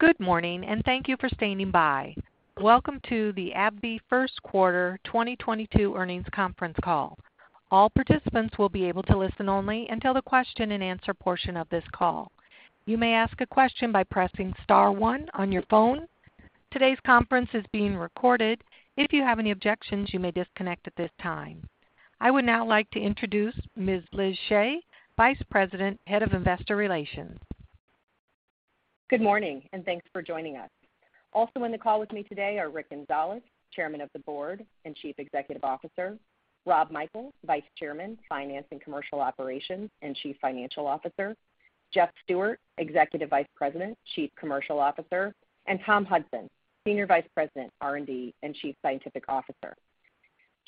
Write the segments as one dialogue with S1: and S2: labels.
S1: Good morning, and thank you for standing by. Welcome to the AbbVie Q1 2022 Earnings Conference Call. All participants will be able to listen only until the Q&A portion of this call. You may ask a question by pressing star one on your phone. Today's Conference is being recorded. If you have any objections, you may disconnect at this time. I would now like to introduce Ms. Liz Shea, Vice President, Head of Investor Relations.
S2: Good morning, and thanks for joining us. Also in the call with me today are Richard Gonzalez, Chairman of the Board and Chief Executive Officer, Rob Michael, Vice Chairman, Finance and Commercial Operations, and Chief Financial Officer, Jeff Stewart, Executive Vice President, Chief Commercial Officer, and Tom Hudson, Senior Vice President, R&D and Chief Scientific Officer.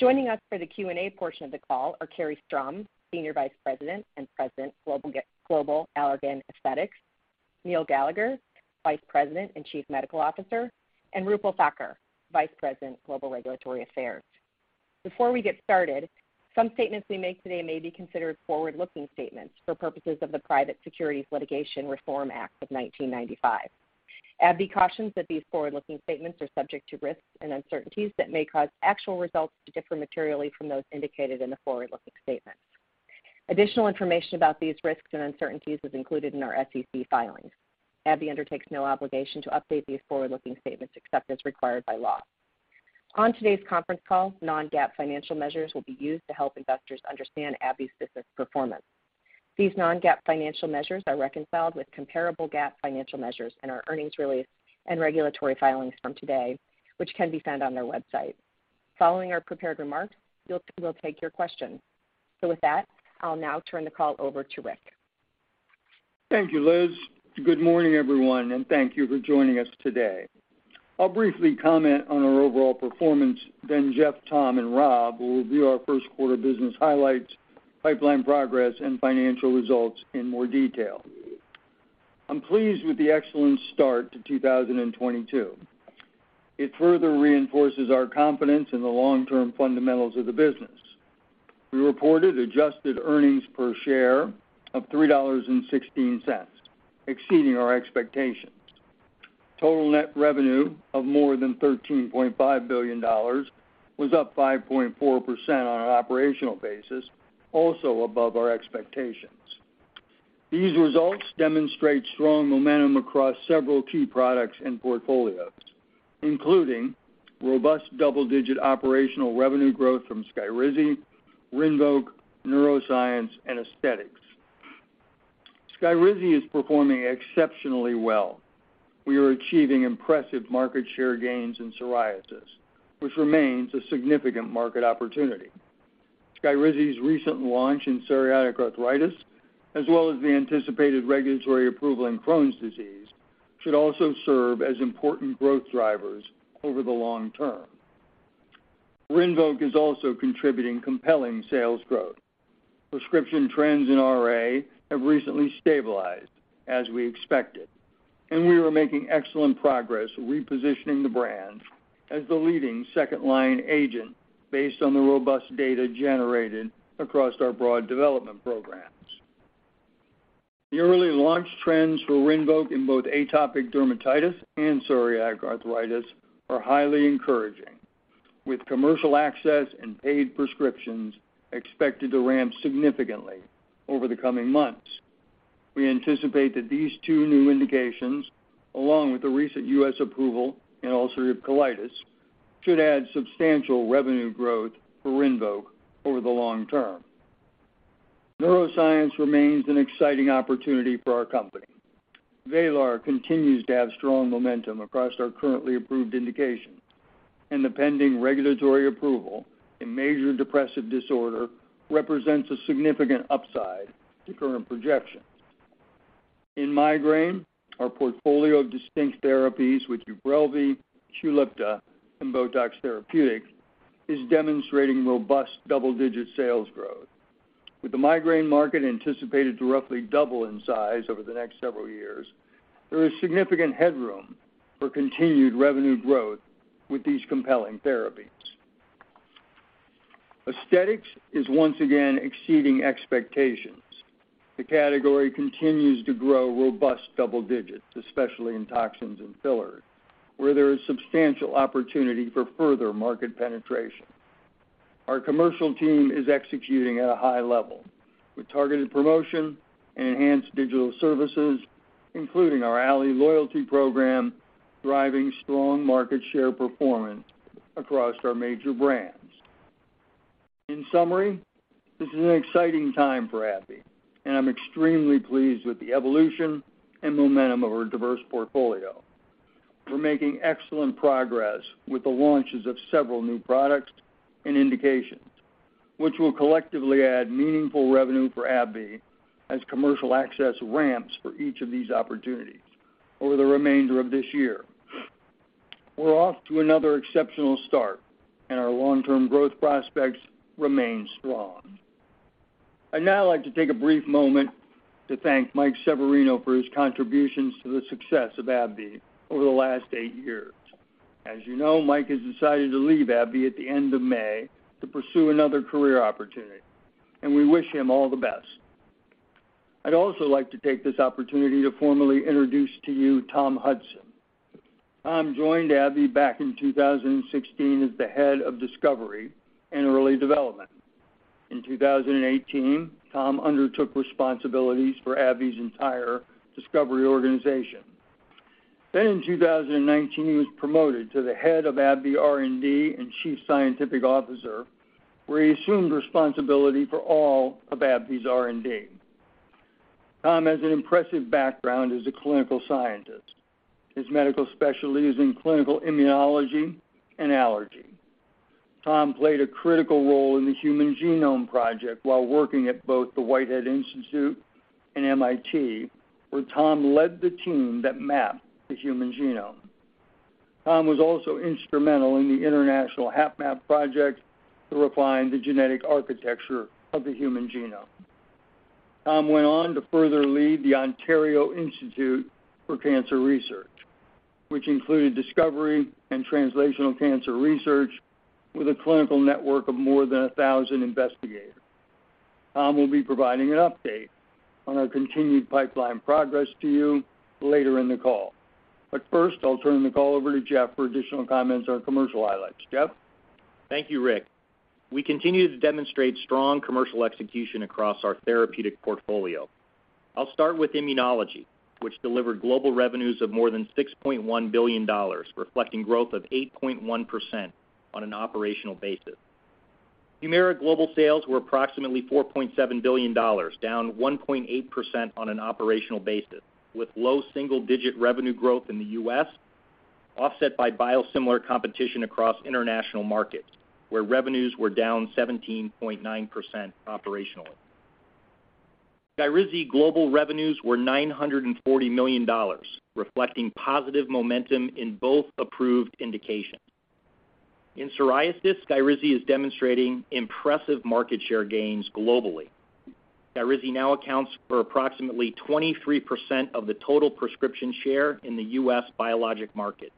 S2: Joining us for the Q&A portion of the call are Carrie Strom, Senior Vice President and President, Global Allergan Aesthetics, Neil Gallagher, Vice President and Chief Medical Officer, and Roopal Thakkar, Vice President, Global Regulatory Affairs. Before we get started, some statements we make today may be considered forward-looking statements for purposes of the Private Securities Litigation Reform Act of 1995. AbbVie cautions that these forward-looking statements are subject to risks and uncertainties that may cause actual results to differ materially from those indicated in the forward-looking statements. Additional information about these risks and uncertainties is included in our SEC filings. AbbVie undertakes no obligation to update these forward-looking statements except as required by law. On today's conference call, non-GAAP financial measures will be used to help investors understand AbbVie's business performance. These non-GAAP financial measures are reconciled with comparable GAAP financial measures in our earnings release and regulatory filings from today, which can be found on their website. Following our prepared remarks, we'll take your questions. With that, I'll now turn the call over to Rick.
S3: Thank you, Liz. Good morning, everyone, and thank you for joining us today. I'll briefly comment on our overall performance, then Jeff, Tom, and Rob will review our Q1 business highlights, pipeline progress, and financial results in more detail. I'm pleased with the excellent start to 2022. It further reinforces our confidence in the long-term fundamentals of the business. We reported adjusted earnings per share of $3.16, exceeding our expectations. Total net revenue of more than $13.5 billion was up 5.4% on an operational basis, also above our expectations. These results demonstrate strong momentum across several key products and portfolios, including robust double-digit operational revenue growth from SKYRIZI, RINVOQ, neuroscience, and Aesthetics. SKYRIZI is performing exceptionally well. We are achieving impressive market share gains in psoriasis, which remains a significant market opportunity. SKYRIZI's recent launch in psoriatic arthritis, as well as the anticipated regulatory approval in Crohn's disease, should also serve as important growth drivers over the long term. RINVOQ is also contributing compelling sales growth. Prescription trends in RA have recently stabilized, as we expected, and we are making excellent progress repositioning the brand as the leading second line agent based on the robust data generated across our broad development programs. The early launch trends for RINVOQ in both atopic dermatitis and psoriatic arthritis are highly encouraging, with commercial access and paid prescriptions expected to ramp significantly over the coming months. We anticipate that these two new indications, along with the recent U.S. approval in ulcerative colitis, should add substantial revenue growth for RINVOQ over the long term. Neuroscience remains an exciting opportunity for our company. VRAYLAR continues to have strong momentum across our currently approved indications, and the pending regulatory approval in major depressive disorder represents a significant upside to current projections. In migraine, our portfolio of distinct therapies with UBRELVY, QULIPTA, and BOTOX therapeutic is demonstrating robust double-digit sales growth. With the migraine market anticipated to roughly double in size over the next several years, there is significant headroom for continued revenue growth with these compelling therapies. Aesthetics is once again exceeding expectations. The category continues to grow robust double digits, especially in toxins and fillers, where there is substantial opportunity for further market penetration. Our commercial team is executing at a high level with targeted promotion and enhanced digital services, including our Allē loyalty program, driving strong market share performance across our major brands. In summary, this is an exciting time for AbbVie, and I'm extremely pleased with the evolution and momentum of our diverse portfolio. We're making excellent progress with the launches of several new products and indications, which will collectively add meaningful revenue for AbbVie as commercial access ramps for each of these opportunities over the remainder of this year. We're off to another exceptional start, and our long-term growth prospects remain strong. I'd now like to take a brief moment to thank Michael Severino for his contributions to the success of AbbVie over the last eight years. As you know, Mike has decided to leave AbbVie at the end of May to pursue another career opportunity, and we wish him all the best. I'd also like to take this opportunity to formally introduce to you Tom Hudson. Tom joined AbbVie back in 2016 as the head of discovery and early development. In 2018, Tom undertook responsibilities for AbbVie's entire discovery organization. In 2019, he was promoted to the head of AbbVie R&D and Chief Scientific Officer, where he assumed responsibility for all of AbbVie's R&D. Tom has an impressive background as a clinical scientist. His medical specialty is in clinical immunology and allergy. Tom played a critical role in the Human Genome Project while working at both the Whitehead Institute and MIT, where Tom led the team that mapped the Human Genome. Tom was also instrumental in the International HapMap Project to refine the genetic architecture of the human genome. Tom went on to further lead the Ontario Institute for Cancer Research, which included discovery and translational cancer research with a clinical network of more than a thousand investigators. Tom will be providing an update on our continued pipeline progress to you later in the call. First, I'll turn the call over to Jeff for additional comments on commercial highlights. Jeff?
S4: Thank you, Rick. We continue to demonstrate strong commercial execution across our therapeutic portfolio. I'll start with immunology, which delivered global revenues of more than $6.1 billion, reflecting growth of 8.1% on an operational basis. Humira global sales were approximately $4.7 billion, down 1.8% on an operational basis, with low single-digit revenue growth in the U.S. offset by biosimilar competition across international markets, where revenues were down 17.9% operationally. SKYRIZI global revenues were $940 million, reflecting positive momentum in both approved indications. In psoriasis, SKYRIZI is demonstrating impressive market share gains globally. SKYRIZI now accounts for approximately 23% of the total prescription share in the U.S. biologic market.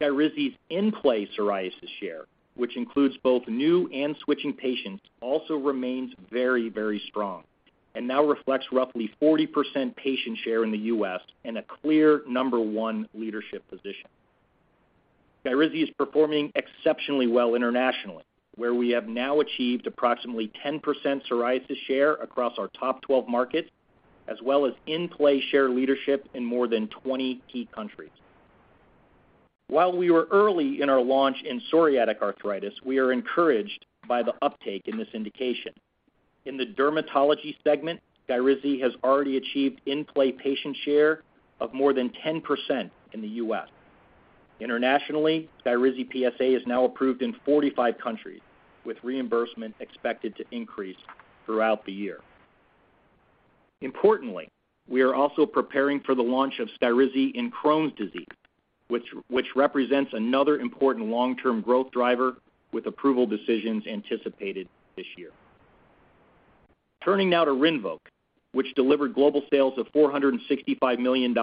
S4: SKYRIZI's in-play psoriasis share, which includes both new and switching patients, also remains very, very strong and now reflects roughly 40% patient share in the U.S. and a clear number one leadership position. SKYRIZI is performing exceptionally well internationally, where we have now achieved approximately 10% psoriasis share across our top 12 markets, as well as in-play share leadership in more than 20 key countries. While we are early in our launch in psoriatic arthritis, we are encouraged by the uptake in this indication. In the dermatology segment, SKYRIZI has already achieved in-play patient share of more than 10% in the U.S. Internationally, SKYRIZI PSA is now approved in 45 countries, with reimbursement expected to increase throughout the year. Importantly, we are also preparing for the launch of SKYRIZI in Crohn's disease, which represents another important long-term growth driver with approval decisions anticipated this year. Turning now to RINVOQ, which delivered global sales of $465 million,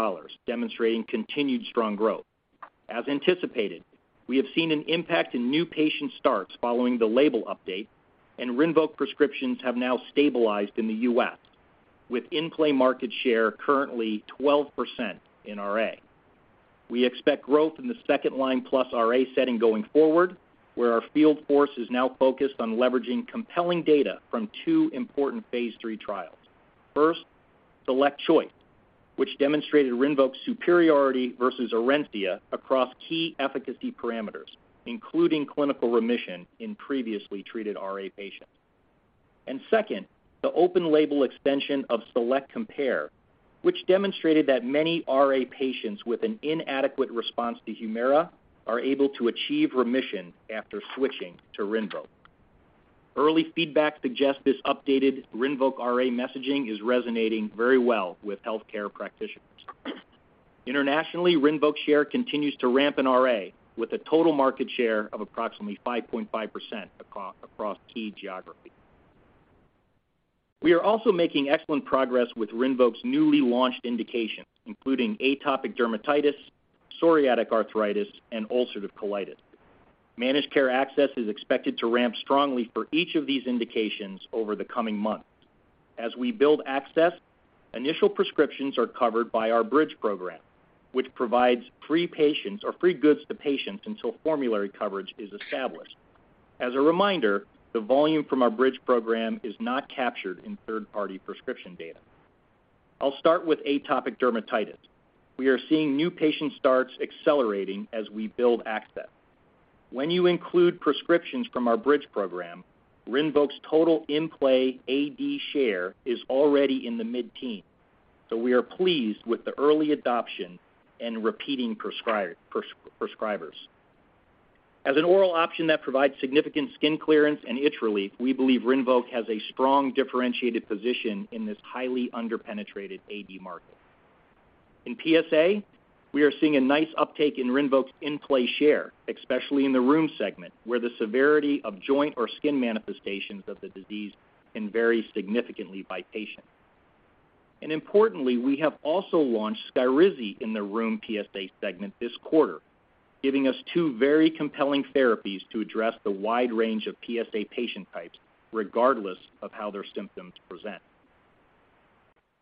S4: demonstrating continued strong growth. As anticipated, we have seen an impact in new patient starts following the label update, and RINVOQ prescriptions have now stabilized in the U.S., with in-label market share currently 12% in RA. We expect growth in the second-line plus RA setting going forward, where our field force is now focused on leveraging compelling data from two important phase III trials. First, SELECT-CHOICE, which demonstrated RINVOQ's superiority versus Orencia across key efficacy parameters, including clinical remission in previously treated RA patients. Second, the open label extension of SELECT-COMPARE, which demonstrated that many RA patients with an inadequate response to Humira are able to achieve remission after switching to RINVOQ. Early feedback suggests this updated RINVOQ RA messaging is resonating very well with healthcare practitioners. Internationally, RINVOQ share continues to ramp in RA with a total market share of approximately 5.5% across key geographies. We are also making excellent progress with RINVOQ's newly launched indications, including atopic dermatitis, psoriatic arthritis, and ulcerative colitis. Managed care access is expected to ramp strongly for each of these indications over the coming months. As we build access, initial prescriptions are covered by our bridge program, which provides free product or free goods to patients until formulary coverage is established. As a reminder, the volume from our bridge program is not captured in third-party prescription data. I'll start with atopic dermatitis. We are seeing new patient starts accelerating as we build access. When you include prescriptions from our bridge program, RINVOQ's total in-play AD share is already in the mid-teens, so we are pleased with the early adoption and repeating prescribers. As an oral option that provides significant skin clearance and itch relief, we believe RINVOQ has a strong differentiated position in this highly under-penetrated AD market. In PSA, we are seeing a nice uptake in RINVOQ's in-play share, especially in the rheum segment, where the severity of joint or skin manifestations of the disease can vary significantly by patient. Importantly, we have also launched SKYRIZI in the rheum PSA segment this quarter, giving us two very compelling therapies to address the wide range of PSA patient types regardless of how their symptoms present.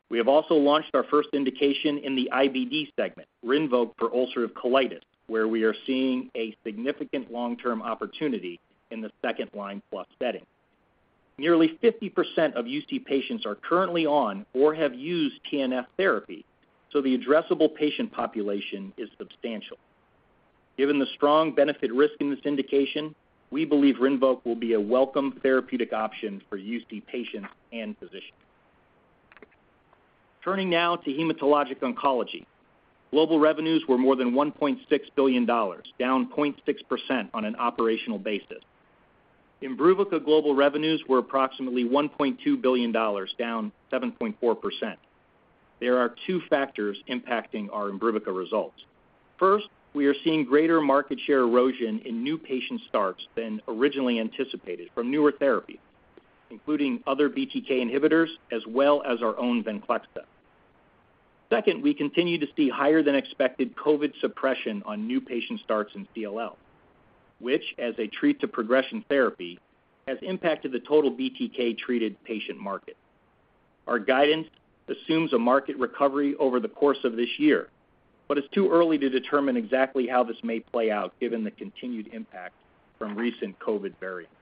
S4: We have also launched our first indication in the IBD segment, RINVOQ for ulcerative colitis, where we are seeing a significant long-term opportunity in the second line plus setting. Nearly 50% of UC patients are currently on or have used TNF therapy, so the addressable patient population is substantial. Given the strong benefit risk in this indication, we believe RINVOQ will be a welcome therapeutic option for UC patients and physicians. Turning now to hematologic oncology. Global revenues were more than $1.6 billion, down 0.6% on an operational basis. IMBRUVICA global revenues were approximately $1.2 billion, down 7.4%. There are two factors impacting our IMBRUVICA results. First, we are seeing greater market share erosion in new patient starts than originally anticipated from newer therapy, including other BTK inhibitors as well as our own VENCLEXTA. Second, we continue to see higher than expected COVID suppression on new patient starts in CLL, which, as a treat-to-progression therapy, has impacted the total BTK-treated patient market. Our guidance assumes a market recovery over the course of this year, but it's too early to determine exactly how this may play out given the continued impact from recent COVID variants.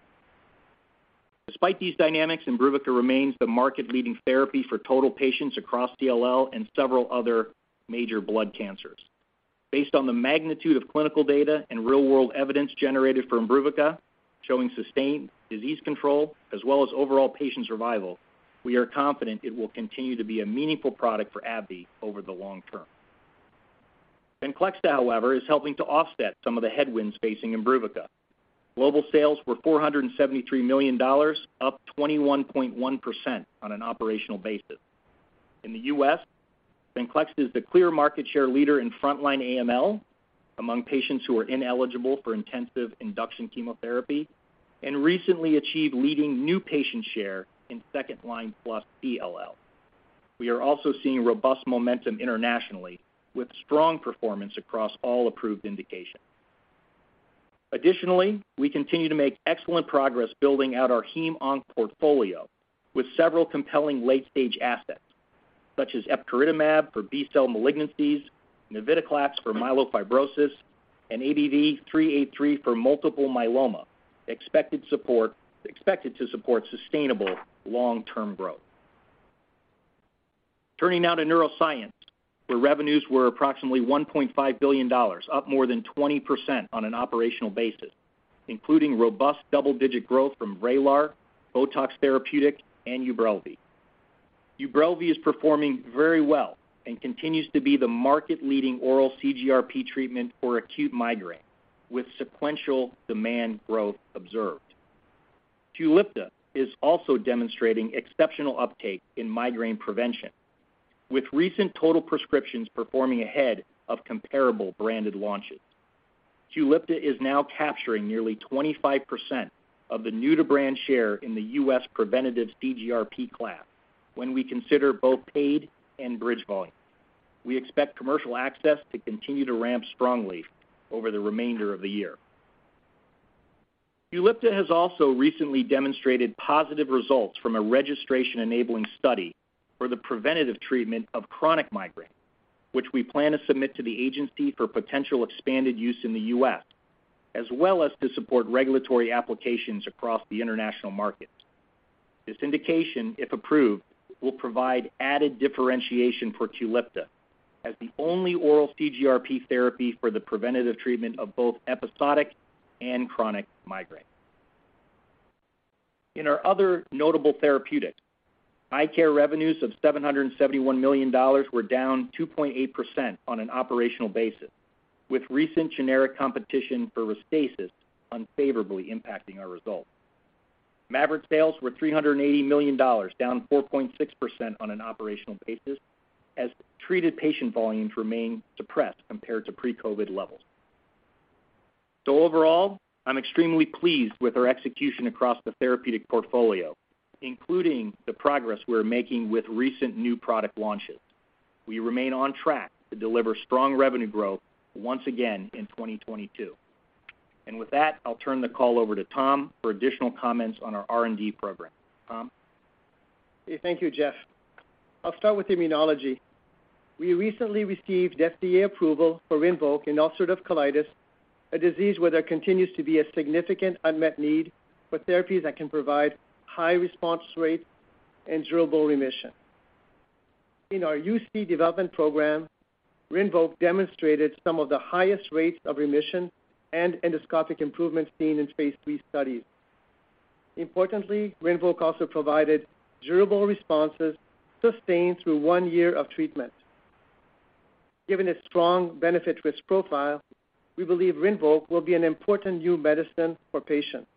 S4: Despite these dynamics, IMBRUVICA remains the market-leading therapy for total patients across CLL and several other major blood cancers. Based on the magnitude of clinical data and real-world evidence generated for IMBRUVICA showing sustained disease control as well as overall patient survival, we are confident it will continue to be a meaningful product for AbbVie over the long term. VENCLEXTA, however, is helping to offset some of the headwinds facing IMBRUVICA. Global sales were $473 million, up 21.1% on an operational basis. In the U.S., VENCLEXTA is the clear market share leader in frontline AML among patients who are ineligible for intensive induction chemotherapy and recently achieved leading new patient share in second-line plus CLL. We are also seeing robust momentum internationally with strong performance across all approved indications. Additionally, we continue to make excellent progress building out our hem onc portfolio with several compelling late-stage assets, such as Epcoritamab for B-cell malignancies, Navitoclax for myelofibrosis, and ABBV-383 for multiple myeloma, expected to support sustainable long-term growth. Turning now to neuroscience, where revenues were approximately $1.5 billion, up more than 20% on an operational basis, including robust double-digit growth from VRAYLAR, BOTOX therapeutic, and UBRELVY. UBRELVY is performing very well and continues to be the market-leading oral CGRP treatment for acute migraine, with sequential demand growth observed. QULIPTA is also demonstrating exceptional uptake in migraine prevention, with recent total prescriptions performing ahead of comparable branded launches. QULIPTA is now capturing nearly 25% of the new-to-brand share in the U.S. preventative CGRP class when we consider both paid and bridge volume. We expect commercial access to continue to ramp strongly over the remainder of the year. QULIPTA has also recently demonstrated positive results from a registration-enabling study for the preventative treatment of chronic migraine, which we plan to submit to the agency for potential expanded use in the U.S., as well as to support regulatory applications across the international markets. This indication, if approved, will provide added differentiation for QULIPTA as the only oral CGRP therapy for the preventative treatment of both episodic and chronic migraine. In our other notable therapeutics, eye care revenues of $771 million were down 2.8% on an operational basis, with recent generic competition for RESTASIS unfavorably impacting our results. MAVYRET sales were $380 million, down 4.6% on an operational basis, as treated patient volumes remain suppressed compared to pre-COVID levels. Overall, I'm extremely pleased with our execution across the therapeutic portfolio, including the progress we're making with recent new product launches. We remain on track to deliver strong revenue growth once again in 2022. With that, I'll turn the call over to Tom for additional comments on our R&D program. Tom?
S5: Thank you, Jeff. I'll start with immunology. We recently received FDA approval for RINVOQ in ulcerative colitis, a disease where there continues to be a significant unmet need for therapies that can provide high response rate and durable remission. In our UC development program, RINVOQ demonstrated some of the highest rates of remission and endoscopic improvements seen in phase III studies. Importantly, RINVOQ also provided durable responses sustained through one year of treatment. Given its strong benefit risk profile, we believe RINVOQ will be an important new medicine for patients.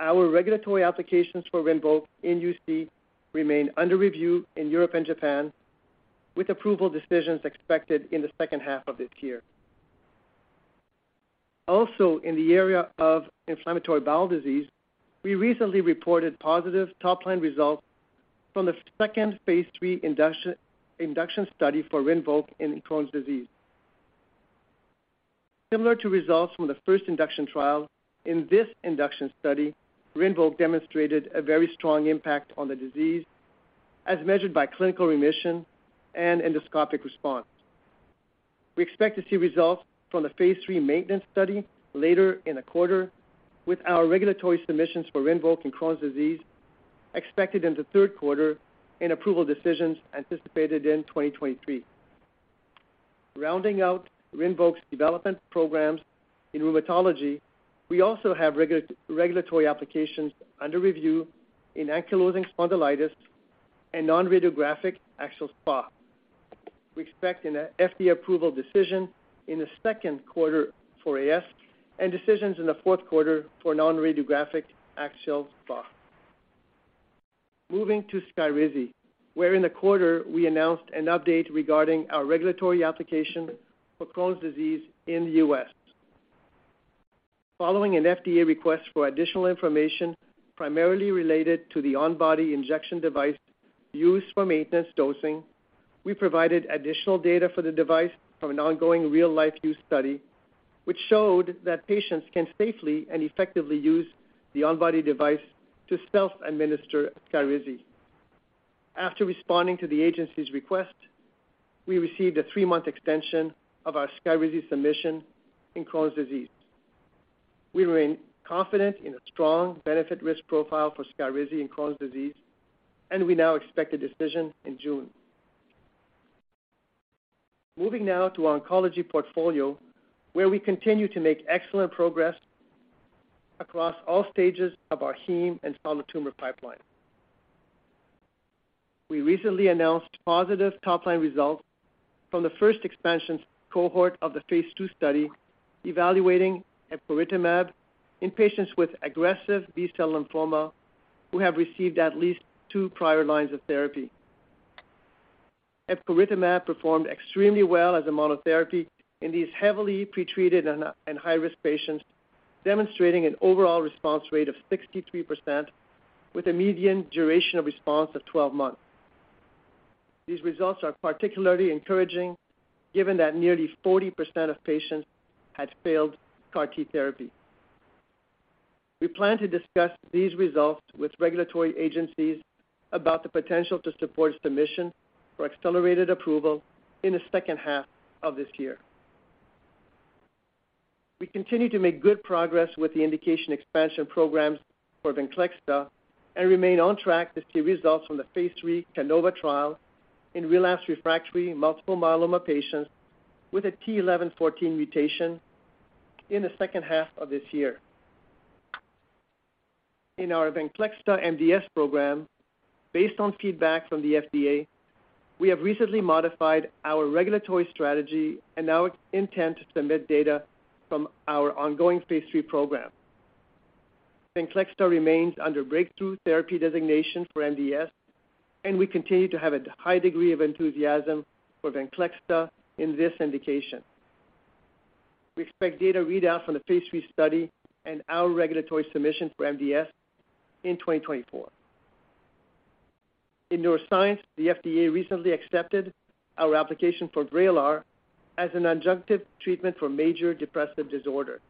S5: Our regulatory applications for RINVOQ in UC remain under review in Europe and Japan, with approval decisions expected in the second half of this year. Also in the area of inflammatory bowel disease, we recently reported positive top-line results from the second phase III induction study for RINVOQ in Crohn's disease. Similar to results from the first induction trial, in this induction study, RINVOQ demonstrated a very strong impact on the disease, as measured by clinical remission and endoscopic response. We expect to see results from the phase three maintenance study later in the quarter, with our regulatory submissions for RINVOQ in Crohn's disease expected in the Q3 and approval decisions anticipated in 2023. Rounding out RINVOQ's development programs in rheumatology, we also have regulatory applications under review in ankylosing spondylitis and non-radiographic axial SpA. We expect an FDA approval decision in the Q2 for AS and decisions in the Q4 for non-radiographic axial SpA. Moving to SKYRIZI, where in the quarter we announced an update regarding our regulatory application for Crohn's disease in the U.S. Following an FDA request for additional information primarily related to the on-body injection device used for maintenance dosing, we provided additional data for the device from an ongoing real-life use study, which showed that patients can safely and effectively use the on-body device to self-administer SKYRIZI. After responding to the agency's request, we received a three-month extension of our SKYRIZI submission in Crohn's disease. We remain confident in a strong benefit risk profile for SKYRIZI in Crohn's disease, and we now expect a decision in June. Moving now to our oncology portfolio, where we continue to make excellent progress across all stages of our heme and solid tumor pipeline. We recently announced positive top-line results from the first expansion cohort of the phase II study evaluating Epcoritamab in patients with aggressive B-cell lymphoma who have received at least two prior lines of therapy. Epcoritamab performed extremely well as a monotherapy in these heavily pretreated and high-risk patients, demonstrating an overall response rate of 63% with a median duration of response of 12 months. These results are particularly encouraging given that nearly 40% of patients had failed CAR T therapy. We plan to discuss these results with regulatory agencies about the potential to support a submission for accelerated approval in the second half of this year. We continue to make good progress with the indication expansion programs for VENCLEXTA and remain on track to see results from the phase III CANOVA trial in relapsed refractory multiple myeloma patients with a t(11;14) mutation in the second half of this year. In our VENCLEXTA MDS program, based on feedback from the FDA, we have recently modified our regulatory strategy and now intend to submit data from our ongoing phase III program. VENCLEXTA remains under breakthrough therapy designation for MDS, and we continue to have a high degree of enthusiasm for VENCLEXTA in this indication. We expect data readout from the phase III study and our regulatory submission for MDS in 2024. In Neuroscience, the FDA recently accepted our application for VRAYLAR as an adjunctive treatment for major depressive disorder.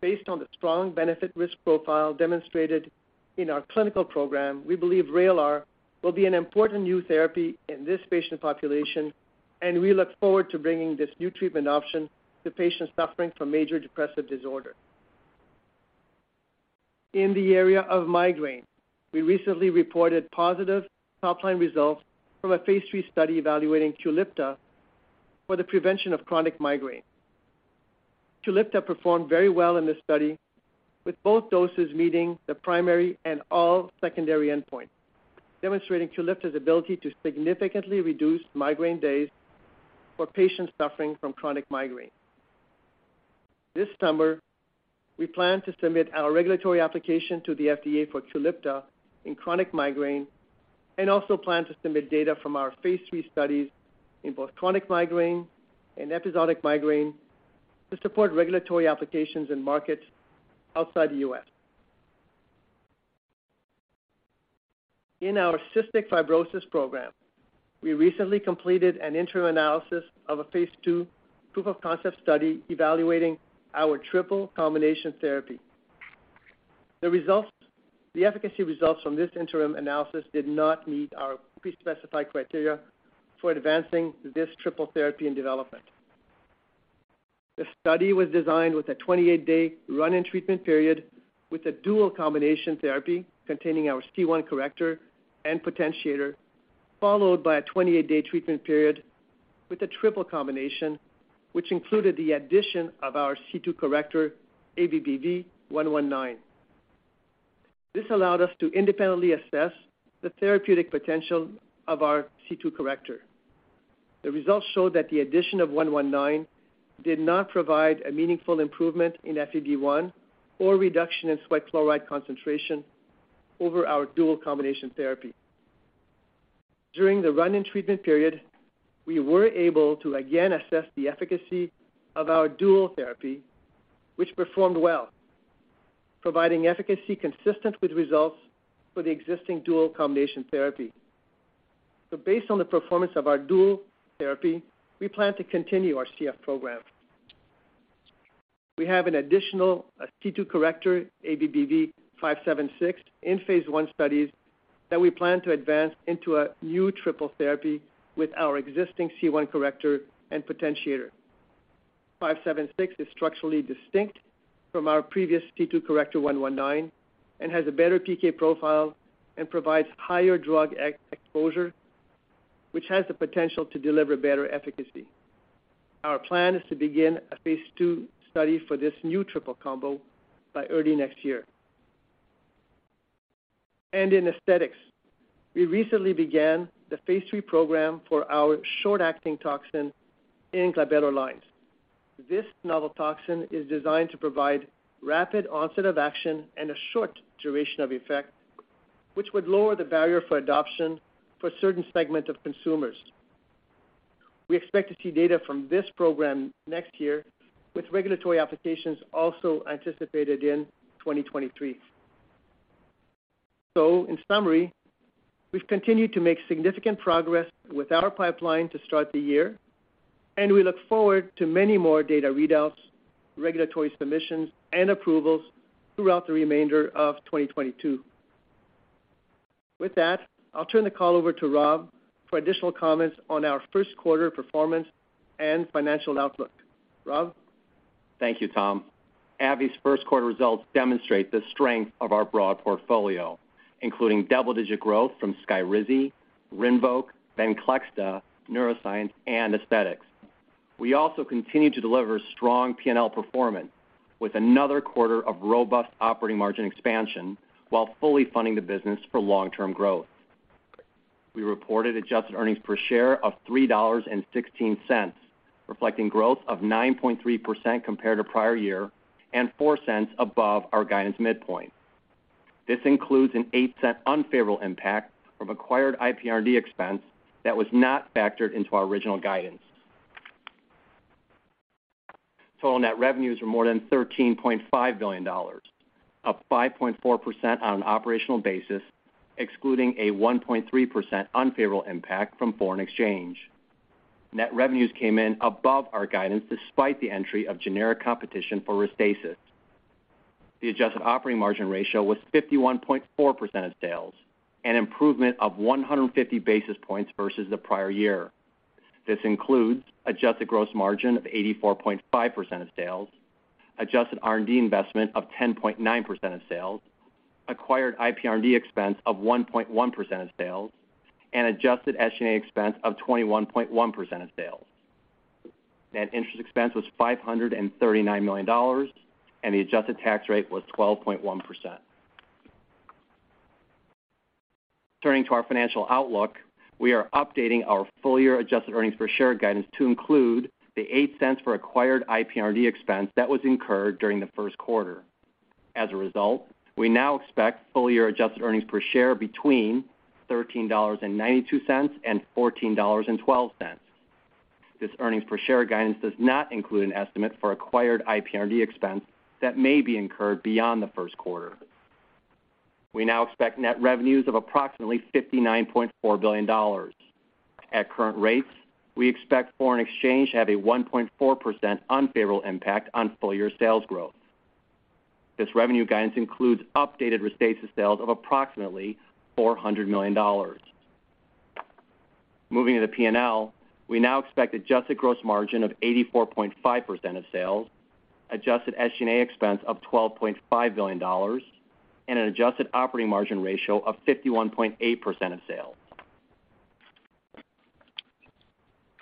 S5: Based on the strong benefit risk profile demonstrated in our clinical program, we believe VRAYLAR will be an important new therapy in this patient population, and we look forward to bringing this new treatment option to patients suffering from major depressive disorder. In the area of migraine, we recently reported positive top-line results from a phase III study evaluating QULIPTA for the prevention of chronic migraine. QULIPTA performed very well in this study, with both doses meeting the primary and all secondary endpoints, demonstrating QULIPTA's ability to significantly reduce migraine days for patients suffering from chronic migraine. This summer, we plan to submit our regulatory application to the FDA for QULIPTA in chronic migraine and also plan to submit data from our phase three studies in both chronic migraine and episodic migraine to support regulatory applications in markets outside the U.S. In our cystic fibrosis program, we recently completed an interim analysis of a phase II proof of concept study evaluating our triple combination therapy. The efficacy results from this interim analysis did not meet our pre-specified criteria for advancing this triple therapy in development. The study was designed with a 28-day run-in treatment period with a dual combination therapy containing our CF one corrector and potentiator, followed by a 28-day treatment period with a triple combination, which included the addition of our C2 corrector, ABBV-119. This allowed us to independently assess the therapeutic potential of our C2 corrector. The results showed that the addition of 119 did not provide a meaningful improvement in FEV1 or reduction in sweat chloride concentration over our dual combination therapy. During the run-in treatment period, we were able to again assess the efficacy of our dual therapy, which performed well, providing efficacy consistent with results for the existing dual combination therapy. Based on the performance of our dual therapy, we plan to continue our CF program. We have an additional C2 corrector, ABBV-576, in phase I studies that we plan to advance into a new triple therapy with our existing C1 corrector and potentiator. 576 is structurally distinct from our previous C2 corrector 119 and has a better PK profile and provides higher drug exposure, which has the potential to deliver better efficacy. Our plan is to begin a phase II study for this new triple combo by early next year. In aesthetics, we recently began the phase III program for our short-acting toxin in glabellar lines. This novel toxin is designed to provide rapid onset of action and a short duration of effect, which would lower the barrier for adoption for a certain segment of consumers. We expect to see data from this program next year, with regulatory applications also anticipated in 2023. In summary, we've continued to make significant progress with our pipeline to start the year, and we look forward to many more data readouts, regulatory submissions, and approvals throughout the remainder of 2022. With that, I'll turn the call over to Rob for additional comments on our Q1 performance and financial outlook. Rob?
S6: Thank you, Tom. AbbVie's Q1 results demonstrate the strength of our broad portfolio, including double-digit growth from SKYRIZI, RINVOQ, VENCLEXTA, neuroscience, and aesthetics. We also continue to deliver strong P&L performance with another quarter of robust operating margin expansion while fully funding the business for long-term growth. We reported adjusted earnings per share of $3.16, reflecting growth of 9.3% compared to prior year and $0.04 above our guidance midpoint. This includes an $0.08 unfavorable impact from acquired IPRD expense that was not factored into our original guidance. Total net revenues were more than $13.5 billion, up 5.4% on an operational basis, excluding a 1.3% unfavorable impact from foreign exchange. Net revenues came in above our guidance despite the entry of generic competition for RESTASIS. The adjusted operating margin ratio was 51.4% of sales, an improvement of 150 basis points versus the prior year. This includes adjusted gross margin of 84.5% of sales, adjusted R&D investment of 10.9% of sales, acquired IPRD expense of 1.1% of sales, and adjusted SG&A expense of 21.1% of sales. Net interest expense was $539 million, and the adjusted tax rate was 12.1%. Turning to our financial outlook, we are updating our full-year adjusted earnings per share guidance to include the $0.08 for acquired IPRD expense that was incurred during the Q1. As a result, we now expect full-year adjusted earnings per share between $13.92 and $14.12. This earnings per share guidance does not include an estimate for acquired IPRD expense that may be incurred beyond the Q1. We now expect net revenues of approximately $59.4 billion. At current rates, we expect foreign exchange to have a 1.4% unfavorable impact on full-year sales growth. This revenue guidance includes updated RESTASIS sales of approximately $400 million. Moving to the P&L, we now expect adjusted gross margin of 84.5% of sales, adjusted SG&A expense of $12.5 billion, and an adjusted operating margin ratio of 51.8% of sales.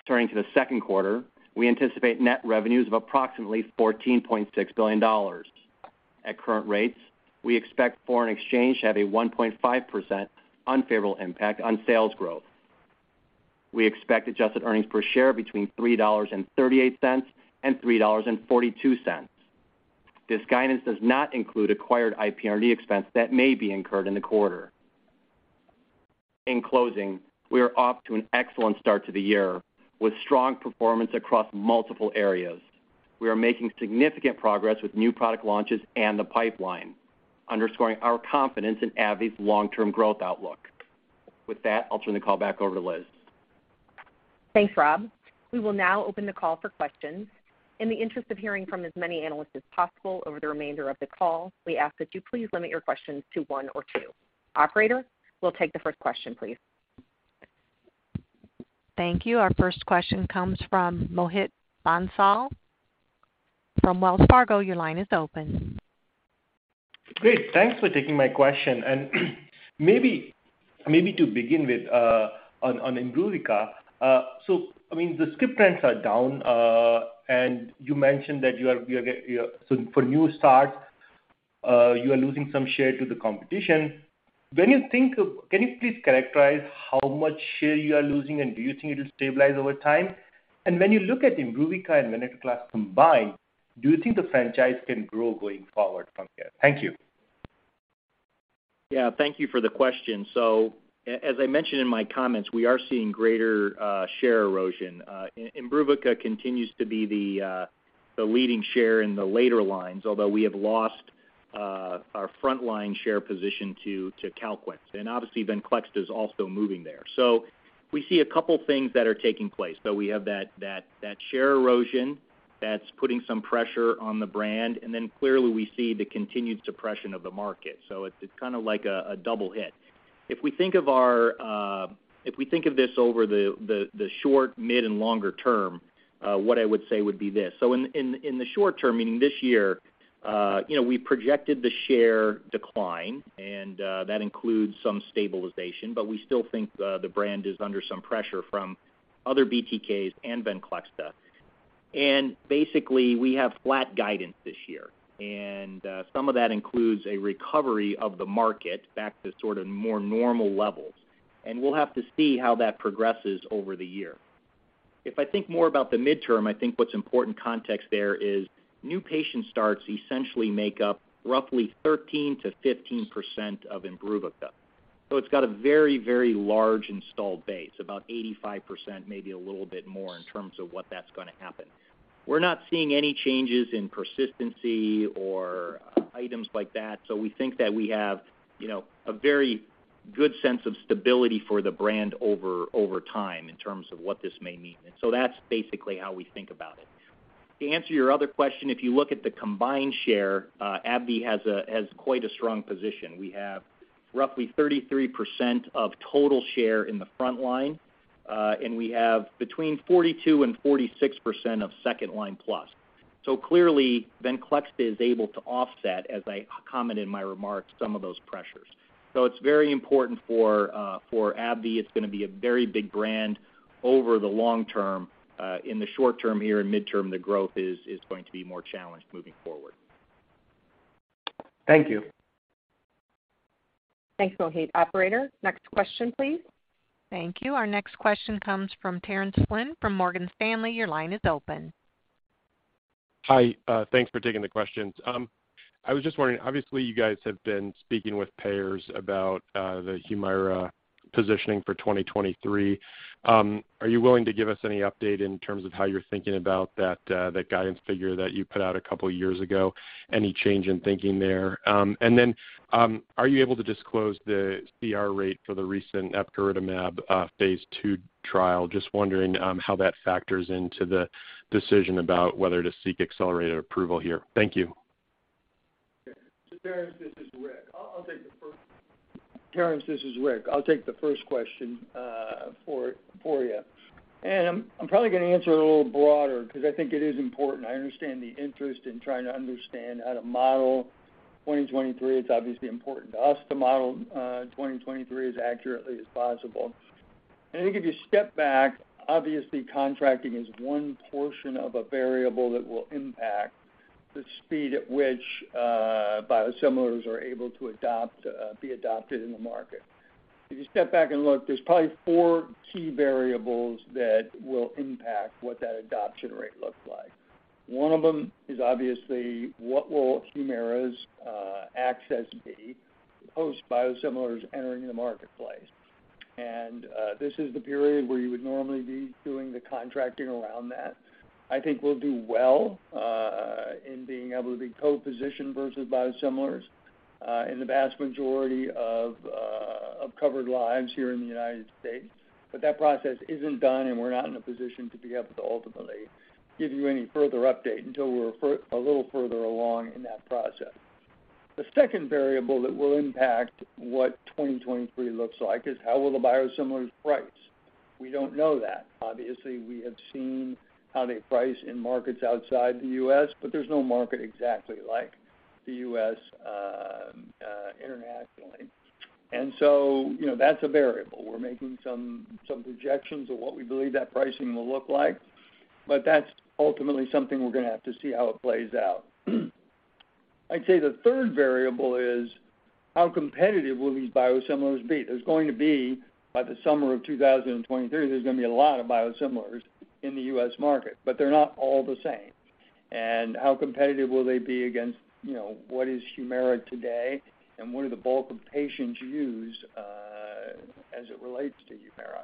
S6: Turning to the Q2, we anticipate net revenues of approximately $14.6 billion. At current rates, we expect foreign exchange to have a 1.5% unfavorable impact on sales growth. We expect adjusted earnings per share between $3.38 and $3.42. This guidance does not include acquired IPRD expense that may be incurred in the quarter. In closing, we are off to an excellent start to the year with strong performance across multiple areas. We are making significant progress with new product launches and the pipeline, underscoring our confidence in AbbVie's long-term growth outlook. With that, I'll turn the call back over to Liz.
S2: Thanks, Rob. We will now open the call for questions. In the interest of hearing from as many analysts as possible over the remainder of the call, we ask that you please limit your questions to one or two. Operator, we'll take the first question, please.
S1: Thank you. Our first question comes from Mohit Bansal from Wells Fargo. Your line is open.
S7: Great. Thanks for taking my question. Maybe to begin with, on IMBRUVICA. So I mean, the script trends are down. You mentioned that so for new start, you are losing some share to the competition. Can you please characterize how much share you are losing, and do you think it will stabilize over time? When you look at IMBRUVICA and VENCLEXTA combined, do you think the franchise can grow going forward from here? Thank you.
S3: Yeah, thank you for the question. As I mentioned in my comments, we are seeing greater share erosion. Imbruvica continues to be the leading share in the later lines, although we have lost our frontline share position to CALQUENCE. Obviously VENCLEXTA is also moving there. We see a couple things that are taking place, but we have that share erosion that's putting some pressure on the brand, and then clearly we see the continued suppression of the market. It's kinda like a double hit. If we think of this over the short, mid, and longer term, what I would say would be this: In the short term, meaning this year, you know, we projected the share decline, and that includes some stabilization, but we still think the brand is under some pressure from other BTKs and VENCLEXTA. Basically, we have flat guidance this year. Some of that includes a recovery of the market back to sort of more normal levels. We'll have to see how that progresses over the year. If I think more about the midterm, I think what's important context there is new patient starts essentially make up roughly 13% to 15% of Imbruvica. It's got a very, very large installed base, about 85%, maybe a little bit more in terms of what that's gonna happen. We're not seeing any changes in persistency or items like that, so we think that we have, you know, a very good sense of stability for the brand over time in terms of what this may mean. That's basically how we think about it. To answer your other question, if you look at the combined share, AbbVie has quite a strong position. We have roughly 33% of total share in the front line, and we have between 42% and 46% of second line plus. Clearly VENCLEXTA is able to offset, as I commented in my remarks, some of those pressures. It's very important for AbbVie. It's gonna be a very big brand over the long term. In the short term here and midterm, the growth is going to be more challenged moving forward.
S7: Thank you.
S2: Thanks, Mohit. Operator, next question, please.
S1: Thank you. Our next question comes from Terence Flynn from Morgan Stanley. Your line is open.
S8: Hi, thanks for taking the questions. I was just wondering, obviously you guys have been speaking with payers about the Humira positioning for 2023. Are you willing to give us any update in terms of how you're thinking about that guidance figure that you put out a couple years ago? Any change in thinking there? And then, are you able to disclose the CR rate for the recent Epcoritamab phase II trial? Just wondering how that factors into the decision about whether to seek accelerated approval here. Thank you.
S3: Terence, this is Rick. I'll take the first question for you. I'm probably gonna answer a little broader 'cause I think it is important. I understand the interest in trying to understand how to model 2023. It's obviously important to us to model 2023 as accurately as possible. I think if you step back, obviously contracting is one portion of a variable that will impact the speed at which biosimilars are able to adopt, be adopted in the market. If you step back and look, there's probably four key variables that will impact what that adoption rate looks like. One of them is obviously what will Humira's access be post biosimilars entering the marketplace. This is the period where you would normally be doing the contracting around that. I think we'll do well in being able to be co-positioned versus biosimilars in the vast majority of covered lives here in the United States. That process isn't done, and we're not in a position to be able to ultimately give you any further update until we're a little further along in that process. The second variable that will impact what 2023 looks like is how will the biosimilars price. We don't know that. Obviously, we have seen how they price in markets outside the U.S., but there's no market exactly like the U.S. internationally. You know, that's a variable. We're making some projections of what we believe that pricing will look like, but that's ultimately something we're gonna have to see how it plays out. I'd say the third variable is how competitive will these biosimilars be? There's going to be, by the summer of 2023, there's gonna be a lot of biosimilars in the US market, but they're not all the same. How competitive will they be against, you know, what is Humira today and what do the bulk of patients use, as it relates to Humira?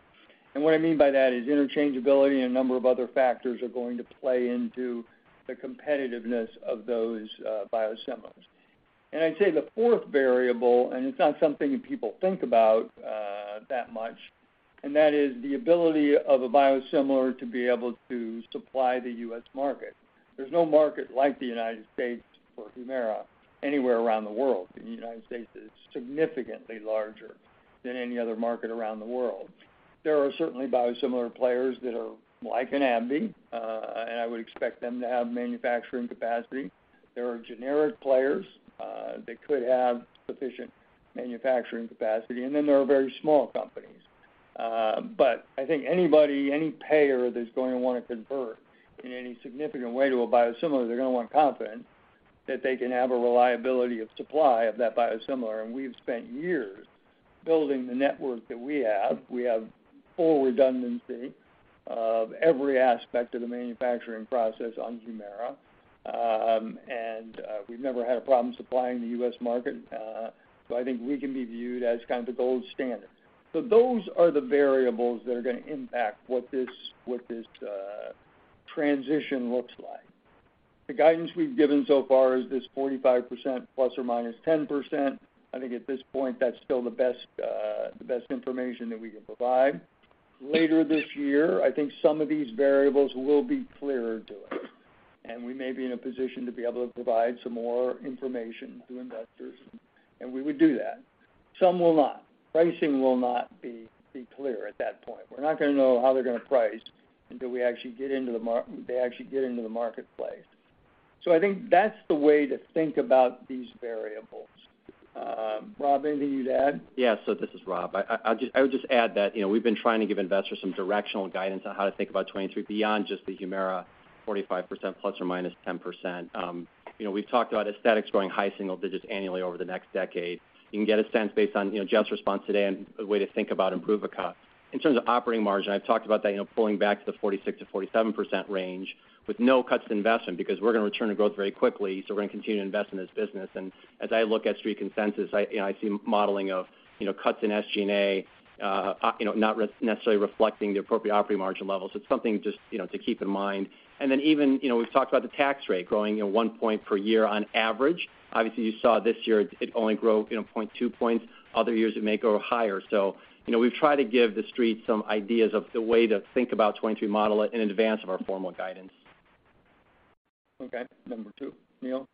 S3: What I mean by that is interchangeability and a number of other factors are going to play into the competitiveness of those, biosimilars. I'd say the fourth variable, and it's not something people think about, that much, and that is the ability of a biosimilar to be able to supply the US market. There's no market like the United States for Humira anywhere around the world. The United States is significantly larger than any other market around the world. There are certainly biosimilar players that are like an AbbVie, and I would expect them to have manufacturing capacity. There are generic players that could have sufficient manufacturing capacity, and then there are very small companies. I think anybody, any payer that's going to wanna convert in any significant way to a biosimilar, they're gonna want confidence that they can have a reliability of supply of that biosimilar. We've spent years building the network that we have. We have full redundancy of every aspect of the manufacturing process on Humira. We've never had a problem supplying the U.S. market. I think we can be viewed as kind of the gold standard. Those are the variables that are gonna impact what this transition looks like. The guidance we've given so far is 45% ± 10%. I think at this point, that's still the best information that we can provide. Later this year, I think some of these variables will be clearer to us, and we may be in a position to be able to provide some more information to investors, and we would do that. Some will not. Pricing will not be clear at that point. We're not gonna know how they're gonna price until they actually get into the marketplace. I think that's the way to think about these variables. Rob, anything you'd add?
S6: Yeah. This is Rob. I would just add that, you know, we've been trying to give investors some directional guidance on how to think about 2023 beyond just the Humira 45% ±10%. You know, we've talked about aesthetics growing high single digits annually over the next decade. You can get a sense based on, you know, Jeff's response today and a way to think about IMBRUVICA. In terms of operating margin, I've talked about that, you know, pulling back to the 46% to 47% range with no cuts to investment because we're gonna return to growth very quickly, so we're gonna continue to invest in this business. As I look at Street consensus, you know, I see modeling of, you know, cuts in SG&A, you know, not necessarily reflecting the appropriate operating margin levels. It's something just, you know, to keep in mind. Then even, you know, we've talked about the tax rate growing, you know, one point per year on average. Obviously, you saw this year it only grow, you know, 0.2 points. Other years it may grow higher. You know, we've tried to give the Street some ideas of the way to think about 2023 model in advance of our formal guidance.
S3: Okay. Number two, Neil.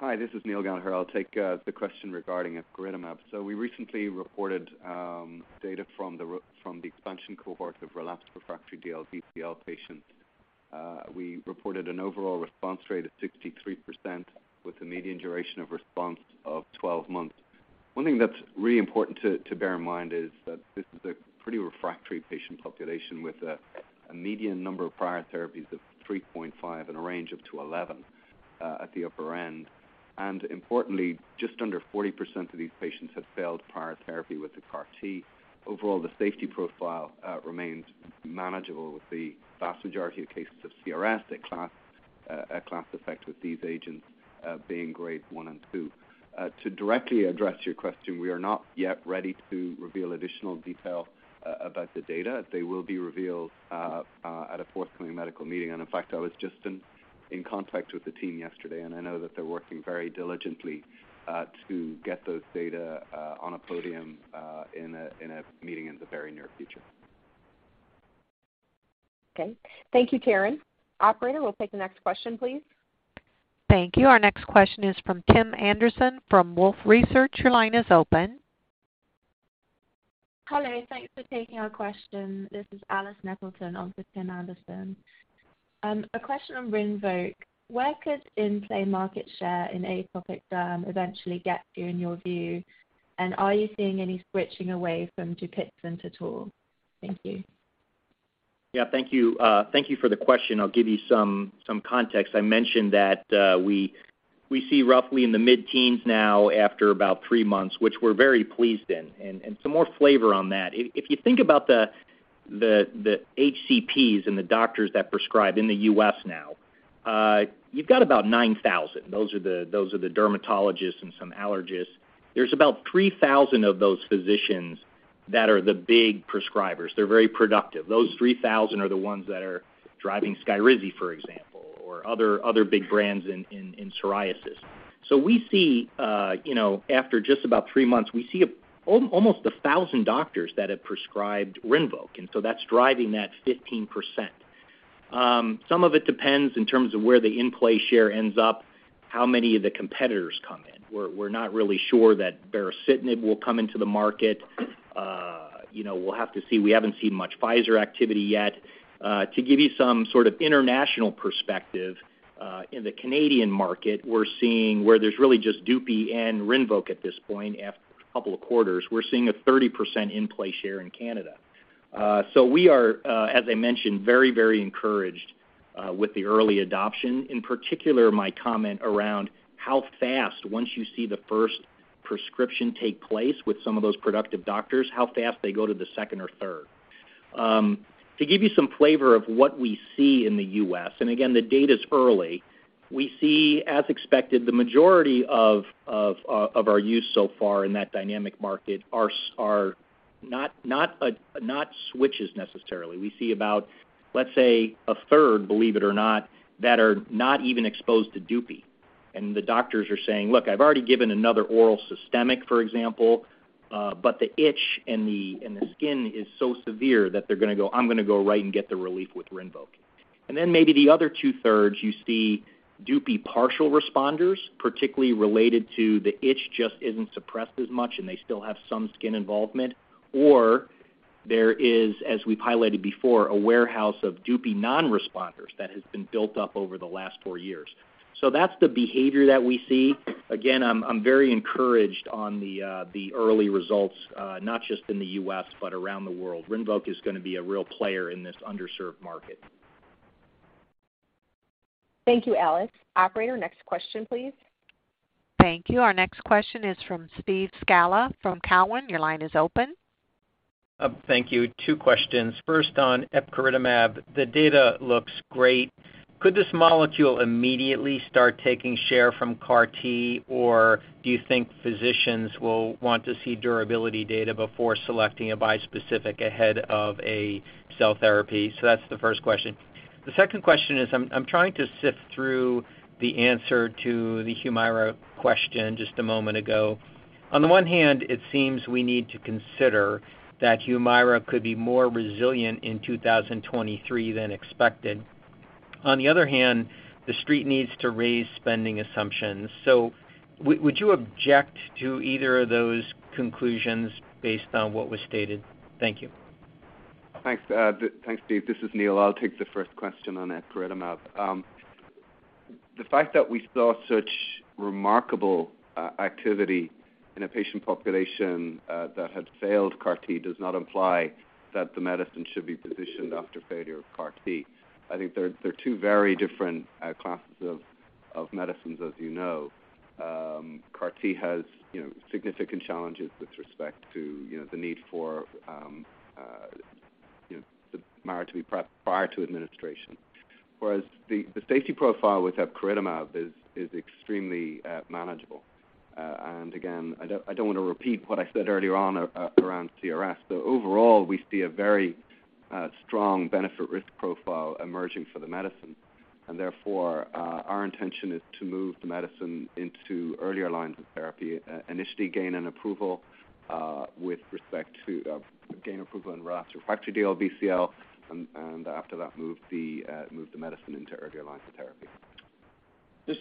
S9: Hi. This is Neil Gallagher. I'll take the question regarding Epcoritamab. We recently reported data from the expansion cohort of relapsed refractory DLBCL patients. We reported an overall response rate of 63% with a median duration of response of 12 months. One thing that's really important to bear in mind is that this is a pretty refractory patient population with a median number of prior therapies of 3.5 and a range up to 11 at the upper end. Importantly, just under 40% of these patients have failed prior therapy with the CAR T. Overall, the safety profile remains manageable with the vast majority of cases of CRS, a class effect with these agents, being grade one and two. To directly address your question, we are not yet ready to reveal additional detail about the data. They will be revealed at a forthcoming medical meeting. In fact, I was just in contact with the team yesterday, and I know that they're working very diligently to get those data on a podium in a meeting in the very near future.
S2: Okay. Thank you, Terence. Operator, we'll take the next question, please.
S1: Thank you. Our next question is from Tim Anderson from Wolfe Research. Your line is open.
S10: Hello. Thanks for taking our question. This is Alice Nettleton on for Tim Anderson. A question on RINVOQ. Where could in-play market share in atopic eventually get you in your view? And are you seeing any switching away from Dupixent at all? Thank you.
S6: Yeah, thank you. Thank you for the question. I'll give you some context. I mentioned that we see roughly in the mid-teens now after about three months, which we're very pleased in. Some more flavor on that. If you think about the HCPs and the doctors that prescribe in the U.S. now, you've got about 9,000. Those are the dermatologists and some allergists. There's about 3,000 of those physicians that are the big prescribers. They're very productive. Those 3,000 are the ones that are driving SKYRIZI, for example, or other big brands in psoriasis. We see, you know, after just about three months, we see almost 1,000 doctors that have prescribed RINVOQ, and so that's driving that 15%. Some of it depends in terms of where the in-play share ends up, how many of the competitors come in. We're not really sure that Baricitinib will come into the market. You know, we'll have to see. We haven't seen much Pfizer activity yet. To give you some sort of international perspective, in the Canadian market, we're seeing where there's really just Dupixent and RINVOQ at this point after a couple of quarters. We're seeing a 30% in-play share in Canada. So we are, as I mentioned, very, very encouraged, with the early adoption. In particular, my comment around how fast once you see the first prescription take place with some of those productive doctors, how fast they go to the second or third. To give you some flavor of what we see in the U.S., and again, the data's early, we see, as expected, the majority of our use so far in that dynamic market are not switches necessarily. We see about, let's say, a third, believe it or not, that are not even exposed toDupixent. The doctors are saying, "Look, I've already given another oral systemic, for example, but the itch and the skin is so severe that they're gonna go, 'I'm gonna go right and get the relief with RINVOQ.'" Then maybe the other two-thirds, you see Dupixent partial responders, particularly related to the itch just isn't suppressed as much, and they still have some skin involvement. There is, as we've highlighted before, a warehouse of Dupixent non-responders that has been built up over the last four years. That's the behavior that we see. Again, I'm very encouraged on the early results, not just in the U.S., but around the world. RINVOQ is gonna be a real player in this underserved market.
S2: Thank you, Alice. Operator, next question, please.
S1: Thank you. Our next question is from Steve Scala from Cowen. Your line is open.
S11: Thank you. Two questions. First, on Epcoritamab, the data looks great. Could this molecule immediately start taking share from CAR T? Or do you think physicians will want to see durability data before selecting a bispecific ahead of a cell therapy? That's the first question. The second question is, I'm trying to sift through the answer to the Humira question just a moment ago. On the one hand, it seems we need to consider that Humira could be more resilient in 2023 than expected. On the other hand, the Street needs to raise spending assumptions. Would you object to either of those conclusions based on what was stated? Thank you.
S9: Thanks, Steve. This is Neil. I'll take the first question on Epcoritamab. The fact that we saw such remarkable activity in a patient population that had failed CAR T does not imply that the medicine should be positioned after failure of CAR T. I think they're two very different classes of medicines, as you know. CAR T has, you know, significant challenges with respect to, you know, the need for the marrow to be prepped prior to administration. Whereas the safety profile with Epcoritamab is extremely manageable. Again, I don't wanna repeat what I said earlier around CRS. Overall, we see a very strong benefit risk profile emerging for the medicine, and therefore, our intention is to move the medicine into earlier lines of therapy, initially gain approval in relapsed refractory DLBCL, and after that, move the medicine into earlier lines of therapy.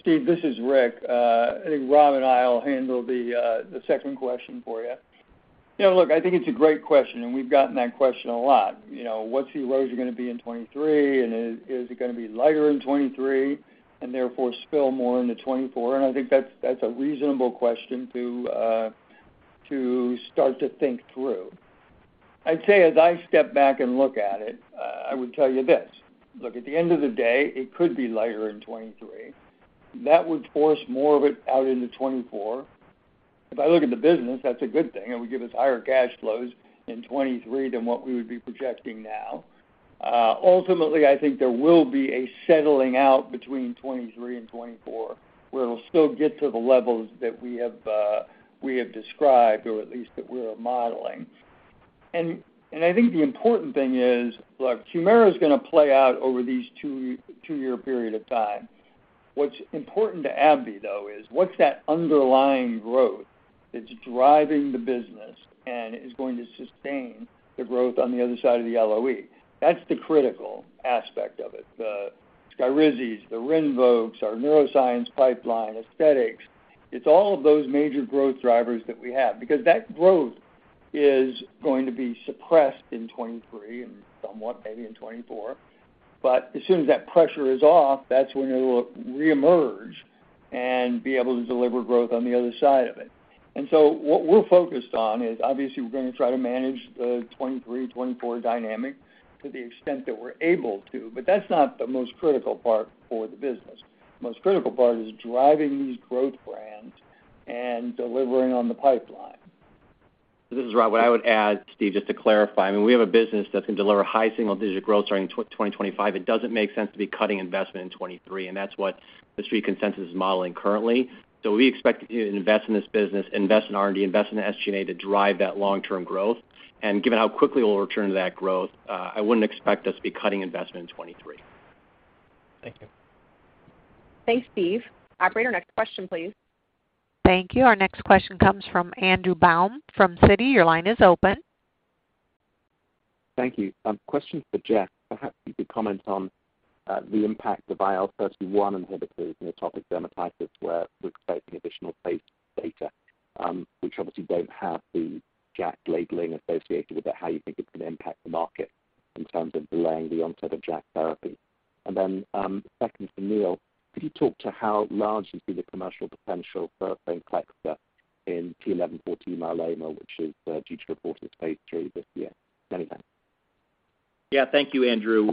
S3: Steve, this is Rick. I think Rob and I will handle the second question for you. You know, look, I think it's a great question, and we've gotten that question a lot. You know, what's the LOEs are gonna be in 2023, and is it gonna be lighter in 2023 and therefore spill more into 2024? I think that's a reasonable question to start to think through. I'd say as I step back and look at it, I would tell you this. Look, at the end of the day, it could be lighter in 2023. That would force more of it out into 2024. If I look at the business, that's a good thing. It would give us higher cash flows in 2023 than what we would be projecting now. Ultimately, I think there will be a settling out between 2023 and 2024, where it'll still get to the levels that we have described or at least that we're modeling. I think the important thing is, look, Humira is gonna play out over these two-year period of time. What's important to AbbVie, though, is what's that underlying growth that's driving the business and is going to sustain the growth on the other side of the LOE. That's the critical aspect of it. The SKYRIZIs, the RINVOQs, our neuroscience pipeline, aesthetics. It's all of those major growth drivers that we have. Because that growth is going to be suppressed in 2023 and somewhat maybe in 2024. As soon as that pressure is off, that's when it will reemerge and be able to deliver growth on the other side of it. What we're focused on is obviously we're gonna try to manage the 2023 to 2024 dynamic to the extent that we're able to, but that's not the most critical part for the business. Most critical part is driving these growth brands and delivering on the pipeline.
S6: This is Rob. What I would add, Steve, just to clarify, I mean, we have a business that can deliver high single-digit growth during 2025. It doesn't make sense to be cutting investment in 2023, and that's what the Street consensus is modeling currently. We expect to invest in this business, invest in R&D, invest in the SG&A to drive that long-term growth. Given how quickly we'll return to that growth, I wouldn't expect us to be cutting investment in 2023.
S11: Thank you.
S2: Thanks, Steve. Operator, next question, please.
S1: Thank you. Our next question comes from Andrew Baum from Citi. Your line is open.
S12: Thank you. Question for Jeff. Perhaps you could comment on the impact of IL-31 inhibitors in atopic dermatitis, where we're expecting additional phase data, which obviously don't have the JAK labeling associated with it, how you think it's gonna impact the market in terms of delaying the onset of JAK therapy. Second for Neil, could you talk to how large has been the commercial potential for VENCLEXTA in t(11;14) myeloma, which is due to report its phase II this year? Many thanks.
S4: Yeah. Thank you, Andrew.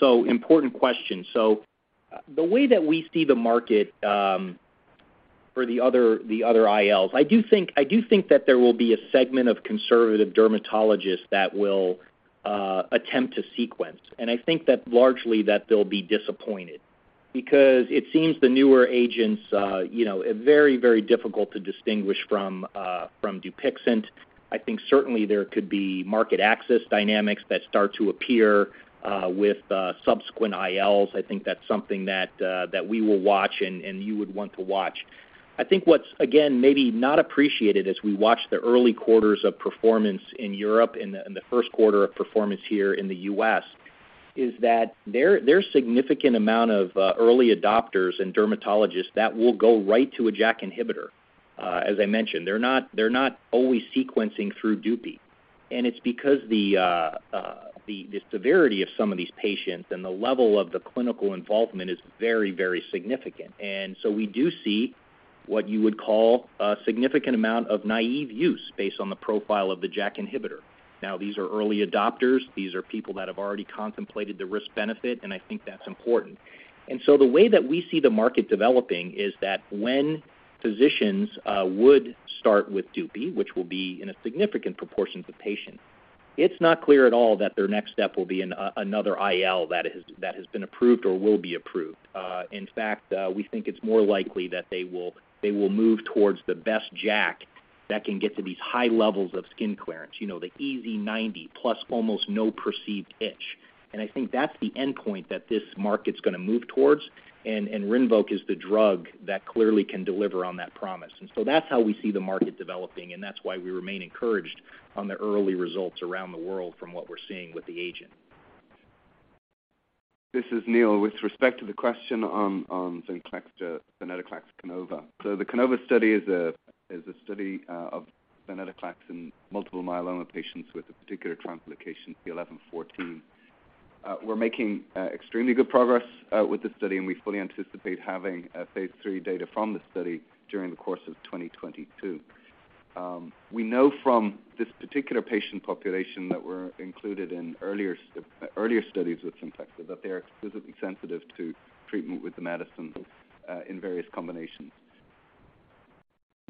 S4: Important question. The way that we see the market for the other ILs, I do think that there will be a segment of conservative dermatologists that will attempt to sequence. I think that largely they'll be disappointed because it seems the newer agents, you know, are very difficult to distinguish from Dupixent. I think certainly there could be market access dynamics that start to appear with subsequent ILs. I think that's something that we will watch and you would want to watch. I think what's, again, maybe not appreciated as we watch the early quarters of performance in Europe and the Q1 of performance here in the U.S. is that there are significant amount of early adopters and dermatologists that will go right to a JAK inhibitor, as I mentioned. They're not always sequencing through Dupixent. It's because the severity of some of these patients and the level of the clinical involvement is very, very significant. We do see what you would call a significant amount of naive use based on the profile of the JAK inhibitor. Now, these are early adopters. These are people that have already contemplated the risk benefit, and I think that's important. The way that we see the market developing is that when physicians would start with Dupixent, which will be in a significant proportion of the patients, it's not clear at all that their next step will be another IL that has been approved or will be approved. In fact, we think it's more likely that they will move towards the best JAK that can get to these high levels of skin clearance, you know, the easy 90+ almost no perceived itch. I think that's the endpoint that this market's gonna move towards, and RINVOQ is the drug that clearly can deliver on that promise. That's how we see the market developing, and that's why we remain encouraged on the early results around the world from what we're seeing with the agent.
S9: This is Neil. With respect to the question on VENCLEXTA, VENCLEXTA, CANOVA. The CANOVA study is a study of VENCLEXTA in multiple myeloma patients with a particular translocation, the 11:14. We're making extremely good progress with the study, and we fully anticipate having a phase III data from the study during the course of 2022. We know from this particular patient population that were included in earlier studies with VENCLEXTA that they are exquisitely sensitive to treatment with the medicines in various combinations.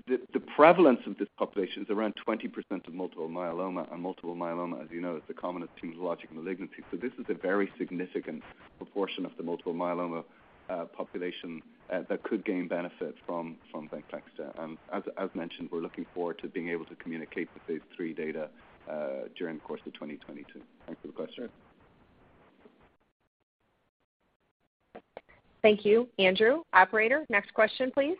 S9: The prevalence of this population is around 20% of multiple myeloma, and multiple myeloma, as you know, is the commonest hematologic malignancy. This is a very significant proportion of the multiple myeloma population that could gain benefit from VENCLEXTA. As mentioned, we're looking forward to being able to communicate the phase 3 data during the course of 2022. Thanks for the question.
S2: Thank you, Andrew. Operator, next question, please.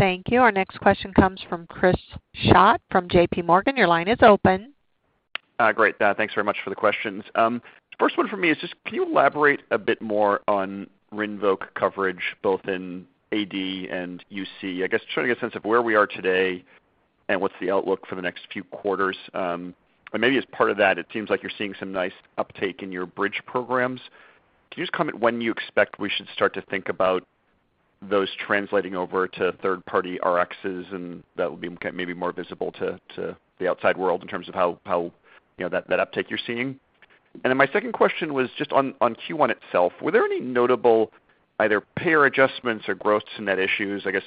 S1: Thank you. Our next question comes from Chris Schott from JPMorgan. Your line is open.
S13: Great. Thanks very much for the questions. First one for me is just can you elaborate a bit more on RINVOQ coverage both in AD and UC? I guess trying to get a sense of where we are today and what's the outlook for the next few quarters. Maybe as part of that, it seems like you're seeing some nice uptake in your bridge programs. Can you just comment when you expect we should start to think about those translating over to third-party Rx's, and that will be maybe more visible to the outside world in terms of how you know that uptake you're seeing? Then my second question was just on Q1 itself. Were there any notable either payer adjustments or gross-to-net issues?
S14: I guess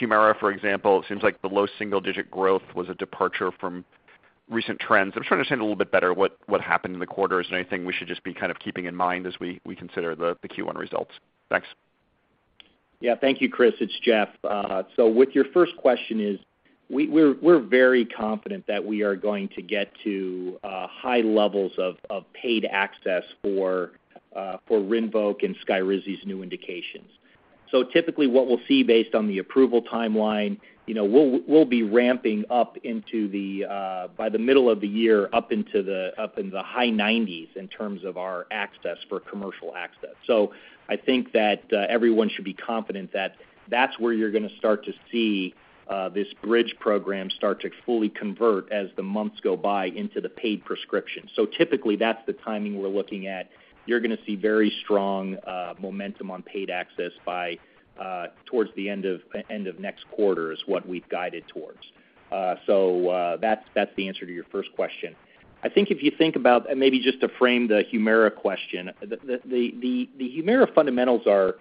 S14: Humira, for example, it seems like the low single-digit growth was a departure from recent trends. I'm just trying to understand a little bit better what happened in the quarter. Is there anything we should just be kind of keeping in mind as we consider the Q1 results? Thanks.
S4: Thank you, Chris. It's Jeff. To your first question, we're very confident that we are going to get to high levels of paid access for RINVOQ and SKYRIZI's new indications. Typically, what we'll see based on the approval timeline, you know, we'll be ramping up by the middle of the year up into the high 90s in terms of our access for commercial access. I think that everyone should be confident that that's where you're gonna start to see this bridge program start to fully convert as the months go by into the paid prescription. Typically, that's the timing we're looking at. You're gonna see very strong momentum on paid access towards the end of next quarter is what we've guided towards. That's the answer to your first question. I think if you think about maybe just to frame the Humira question, the Humira fundamentals are,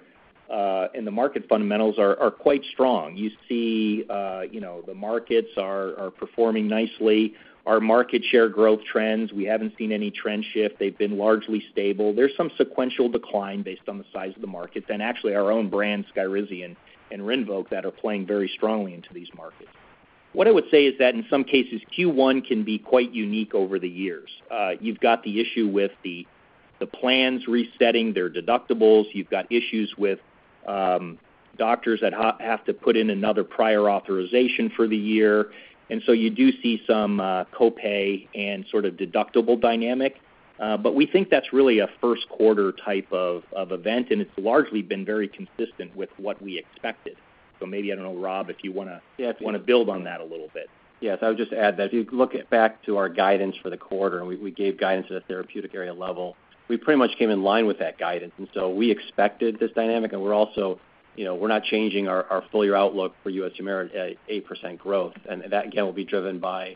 S4: and the market fundamentals are quite strong. You see, you know, the markets are performing nicely. Our market share growth trends, we haven't seen any trend shift. They've been largely stable. There's some sequential decline based on the size of the markets and actually our own brand, SKYRIZI and RINVOQ, that are playing very strongly into these markets. What I would say is that in some cases, Q1 can be quite unique over the years. You've got the issue with the plans resetting their deductibles. You've got issues with doctors that have to put in another prior authorization for the year. You do see some copay and sort of deductible dynamic. We think that's really a Q1 type of event, and it's largely been very consistent with what we expected. Maybe, I don't know, Rob, if you wanna
S6: Yes.
S4: Wanna build on that a little bit.
S6: Yes, I would just add that if you look back to our guidance for the quarter, we gave guidance at a therapeutic area level, we pretty much came in line with that guidance. We expected this dynamic, and we're also not changing our full year outlook for U.S. Humira at 8% growth. That again will be driven by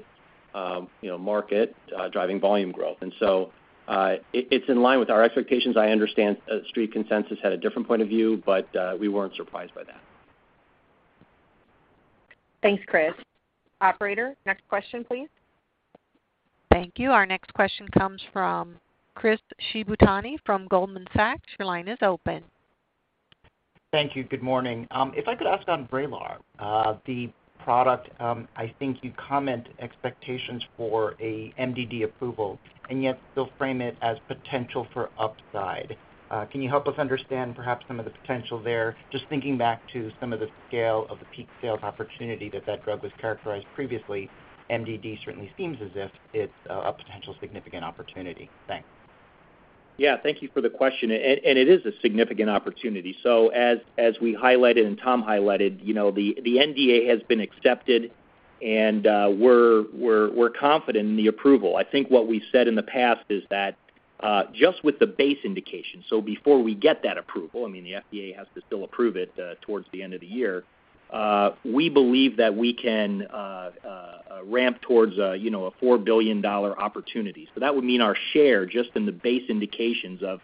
S6: market driving volume growth. It's in line with our expectations. I understand Street consensus had a different point of view, but we weren't surprised by that.
S2: Thanks, Chris. Operator, next question, please.
S1: Thank you. Our next question comes from Chris Shibutani from Goldman Sachs. Your line is open.
S15: Thank you. Good morning. If I could ask on VRAYLAR, the product, I think you comment expectations for a MDD approval, and yet you'll frame it as potential for upside. Can you help us understand perhaps some of the potential there? Just thinking back to some of the scale of the peak sales opportunity that that drug was characterized previously, MDD certainly seems as if it's a potential significant opportunity. Thanks.
S4: Yeah. Thank you for the question. It is a significant opportunity. We highlighted and Tom highlighted, you know, the NDA has been accepted. And we're confident in the approval. I think what we said in the past is that just with the base indication, so before we get that approval, I mean, the FDA has to still approve it towards the end of the year. We believe that we can ramp towards a, you know, $4 billion opportunity. That would mean our share just in the base indications of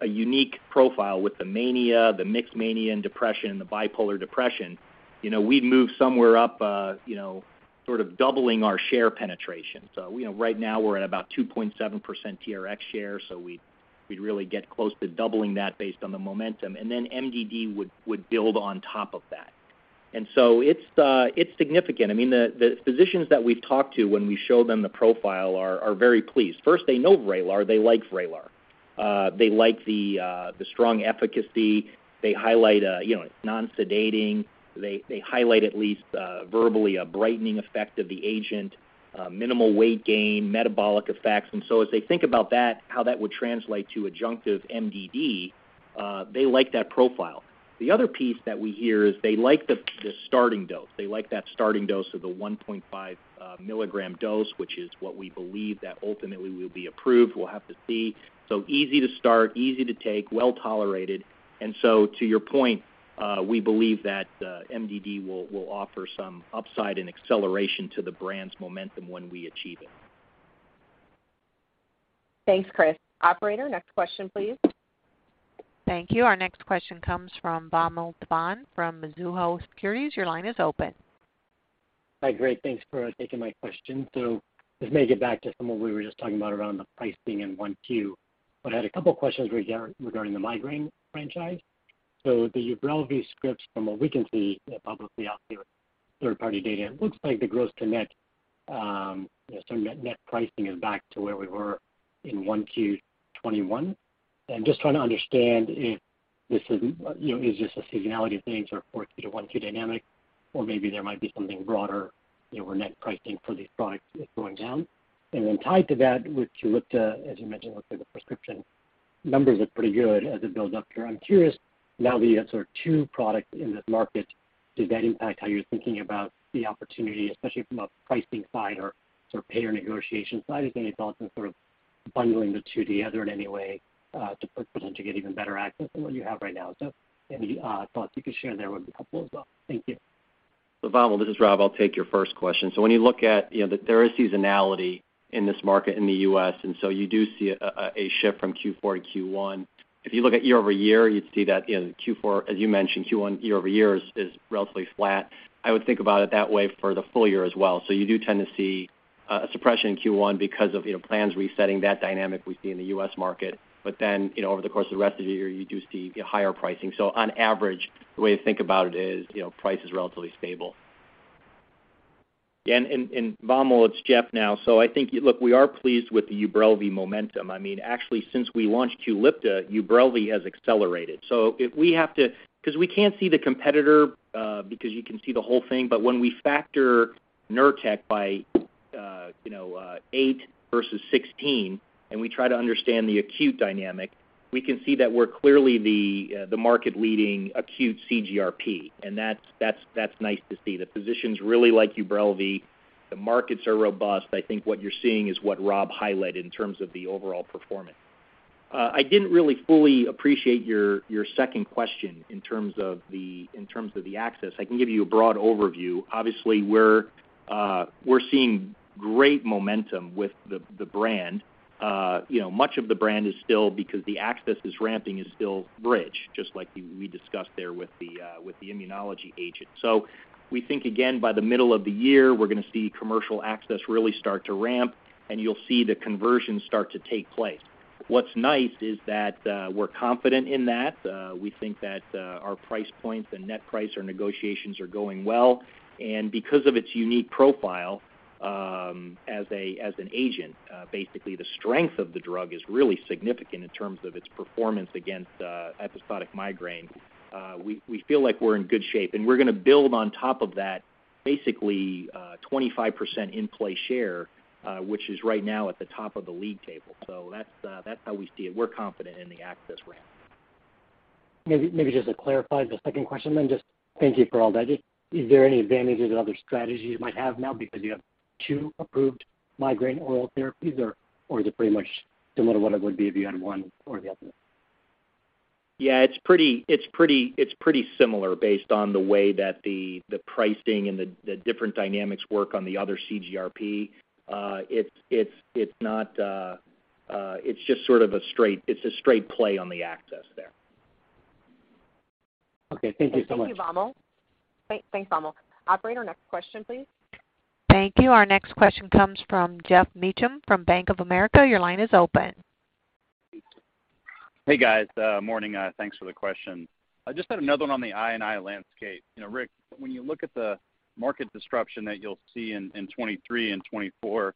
S4: a unique profile with the mania, the mixed mania and depression, the bipolar depression. You know, we'd move somewhere up, you know, sort of doubling our share penetration. You know, right now we're at about 2.7% TRX share, so we'd really get close to doubling that based on the momentum. Then MDD would build on top of that. It's significant. I mean, the physicians that we've talked to when we show them the profile are very pleased. First, they know VRAYLAR, they like VRAYLAR. They like the strong efficacy. They highlight, you know, it's non-sedating. They highlight at least verbally a brightening effect of the agent, minimal weight gain, metabolic effects. As they think about that, how that would translate to adjunctive MDD, they like that profile. The other piece that we hear is they like the starting dose. They like that starting dose of the 1.5 milligram dose, which is what we believe that ultimately will be approved. We'll have to see. Easy to start, easy to take, well tolerated. To your point, we believe that MDD will offer some upside and acceleration to the brand's momentum when we achieve it.
S2: Thanks, Chris. Operator, next question, please.
S1: Thank you. Our next question comes from Vamil Divan from Mizuho Securities. Your line is open.
S16: Hi, great. Thanks for taking my question. This may get back to some of what we were just talking about around the pricing in Q1. I had a couple questions regarding the migraine franchise. The UBRELVY scripts, from what we can see, you know, publicly out there with third-party data, it looks like the gross-to-net, you know, sort of net pricing is back to where we were in Q1 2021. Just trying to understand if this is, you know, is this a seasonality thing or a quarter to Q1 dynamic, or maybe there might be something broader, you know, where net pricing for these products is going down. Then tied to that with QULIPTA, as you mentioned, looked at the prescription numbers are pretty good as it builds up here. I'm curious, now that you have sort of two products in this market, does that impact how you're thinking about the opportunity, especially from a pricing side or sort of payer negotiation side? Any thoughts on sort of bundling the two together in any way, to put potential to get even better access than what you have right now? Any thoughts you could share there would be helpful as well. Thank you.
S6: Vamil, this is Rob. I'll take your first question. When you look at, you know, there is seasonality in this market in the U.S., and so you do see a shift from Q4 to Q1. If you look at year-over-year, you'd see that in Q4, as you mentioned, Q1 year-over-year is relatively flat. I would think about it that way for the full year as well. You do tend to see a suppression in Q1 because of, you know, plans resetting that dynamic we see in the U.S. market. But then, you know, over the course of the rest of the year, you do see higher pricing. On average, the way to think about it is, you know, price is relatively stable.
S4: And Vamil, it's Jeff now. I think, look, we are pleased with the UBRELVY momentum. I mean, actually, since we launched QULIPTA, UBRELVY has accelerated. Because we can't see the competitor, because you can see the whole thing. When we factor Nurtec by, you know, eight versus 16 and we try to understand the acute dynamic, we can see that we're clearly the market-leading acute CGRP, and that's nice to see. The physicians really like UBRELVY. The markets are robust. I think what you're seeing is what Rob highlighted in terms of the overall performance. I didn't really fully appreciate your second question in terms of the access. I can give you a broad overview. Obviously, we're seeing great momentum with the brand. You know, much of the brand is still because the access is ramping is still rich, just like we discussed there with the immunology agent. We think again, by the middle of the year, we're gonna see commercial access really start to ramp, and you'll see the conversions start to take place. What's nice is that, we're confident in that. We think that, our price points and net price, our negotiations are going well. Because of its unique profile, as an agent, basically the strength of the drug is really significant in terms of its performance against episodic migraine. We feel like we're in good shape, and we're gonna build on top of that basically, 25% in play share, which is right now at the top of the league table. That's how we see it. We're confident in the access ramp.
S16: Maybe just to clarify the second question, and just thank you for all that. Is there any advantages or other strategies you might have now because you have two approved migraine oral therapies or is it pretty much similar to what it would be if you had one or the other?
S6: Yeah, it's pretty similar based on the way that the pricing and the different dynamics work on the other CGRP. It's just sort of a straight play on the access there.
S16: Okay. Thank you so much.
S2: Thank you, Vamil. Thanks, Vamil. Operator, next question, please.
S1: Thank you. Our next question comes from Geoff Meacham from Bank of America. Your line is open.
S17: Hey, guys. Morning. Thanks for the question. I just had another one on the I&I landscape. You know, Rick, when you look at the market disruption that you'll see in 2023 and 2024,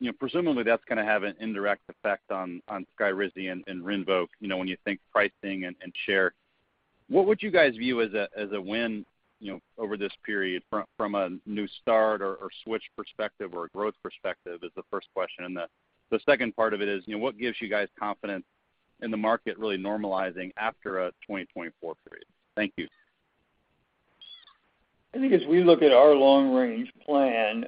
S17: you know, presumably that's gonna have an indirect effect on SKYRIZI and RINVOQ. You know, when you think pricing and share, what would you guys view as a win, you know, over this period from a new start or switch perspective or a growth perspective, is the first question. The second part of it is, you know, what gives you guys confidence. The market really normalizing after a 2024 period. Thank you.
S3: I think as we look at our long-range plan,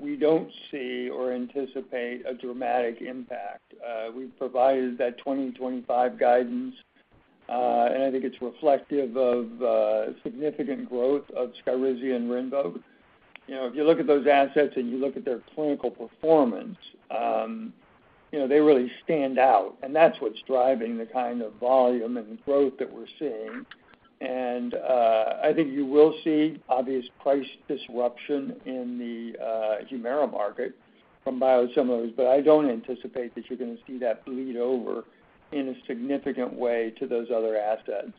S3: we don't see or anticipate a dramatic impact. We've provided that 2025 guidance, and I think it's reflective of significant growth of SKYRIZI and RINVOQ. You know, if you look at those assets and you look at their clinical performance, you know, they really stand out, and that's what's driving the kind of volume and growth that we're seeing. I think you will see obvious price disruption in the Humira market from biosimilars, but I don't anticipate that you're gonna see that bleed over in a significant way to those other assets.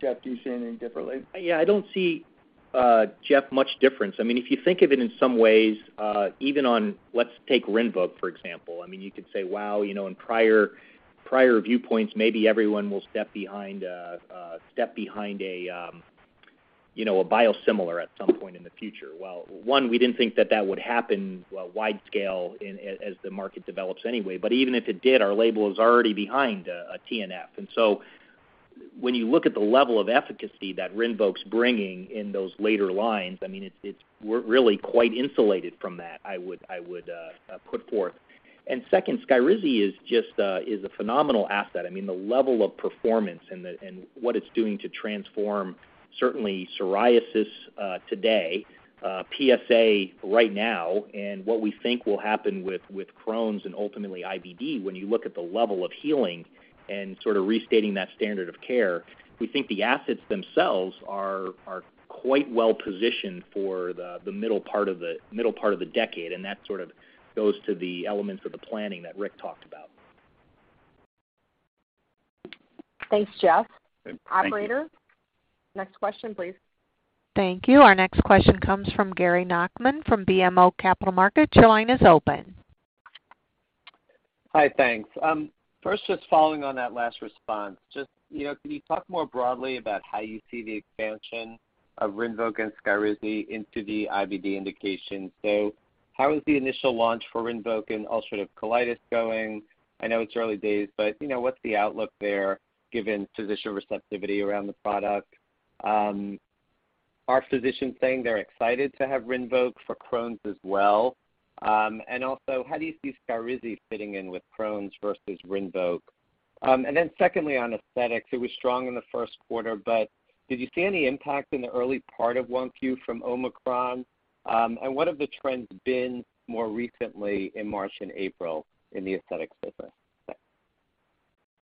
S3: Jeff, do you see anything differently?
S4: Yeah, I don't see, Geoff, much difference. I mean, if you think of it in some ways, even on, let's take RINVOQ, for example. I mean, you could say, wow, you know, in prior viewpoints, maybe everyone will step behind a biosimilar at some point in the future. Well, one, we didn't think that would happen, well, widescale as the market develops anyway. But even if it did, our label is already behind a TNF. So when you look at the level of efficacy that RINVOQ's bringing in those later lines, I mean, it's, we're really quite insulated from that, I would put forth. Second, SKYRIZI is just a phenomenal asset. I mean, the level of performance and what it's doing to transform certainly psoriasis, PSA right now, and what we think will happen with Crohn's and ultimately IBD when you look at the level of healing and sort of restating that standard of care, we think the assets themselves are quite well positioned for the middle part of the decade, and that sort of goes to the elements of the planning that Rick talked about.
S2: Thanks, Geoff.
S17: Thank you.
S2: Operator, next question, please.
S1: Thank you. Our next question comes from Gary Nachman from BMO Capital Markets. Your line is open.
S18: Hi. Thanks. First, just following on that last response, just, you know, can you talk more broadly about how you see the expansion of RINVOQ and SKYRIZI into the IBD indications? How is the initial launch for RINVOQ and ulcerative colitis going? I know it's early days, but, you know, what's the outlook there given physician receptivity around the product? Are physicians saying they're excited to have RINVOQ for Crohn's as well? And also how do you see SKYRIZI fitting in with Crohn's versus RINVOQ? And then secondly on aesthetics, it was strong in the Q1, but did you see any impact in the early part of Q1 from Omicron? And what have the trends been more recently in March and April in the aesthetics business? Thanks.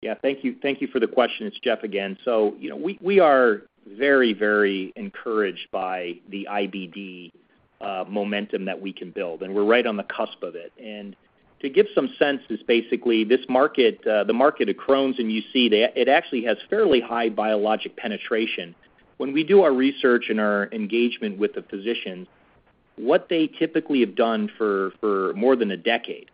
S4: Yeah. Thank you. Thank you for the question. It's Jeff again. So, you know, we are very, very encouraged by the IBD momentum that we can build, and we're right on the cusp of it. To give some sense is basically this market, the market of Crohn's, and you see that it actually has fairly high biologic penetration. When we do our research and our engagement with the physicians, what they typically have done for more than a decade,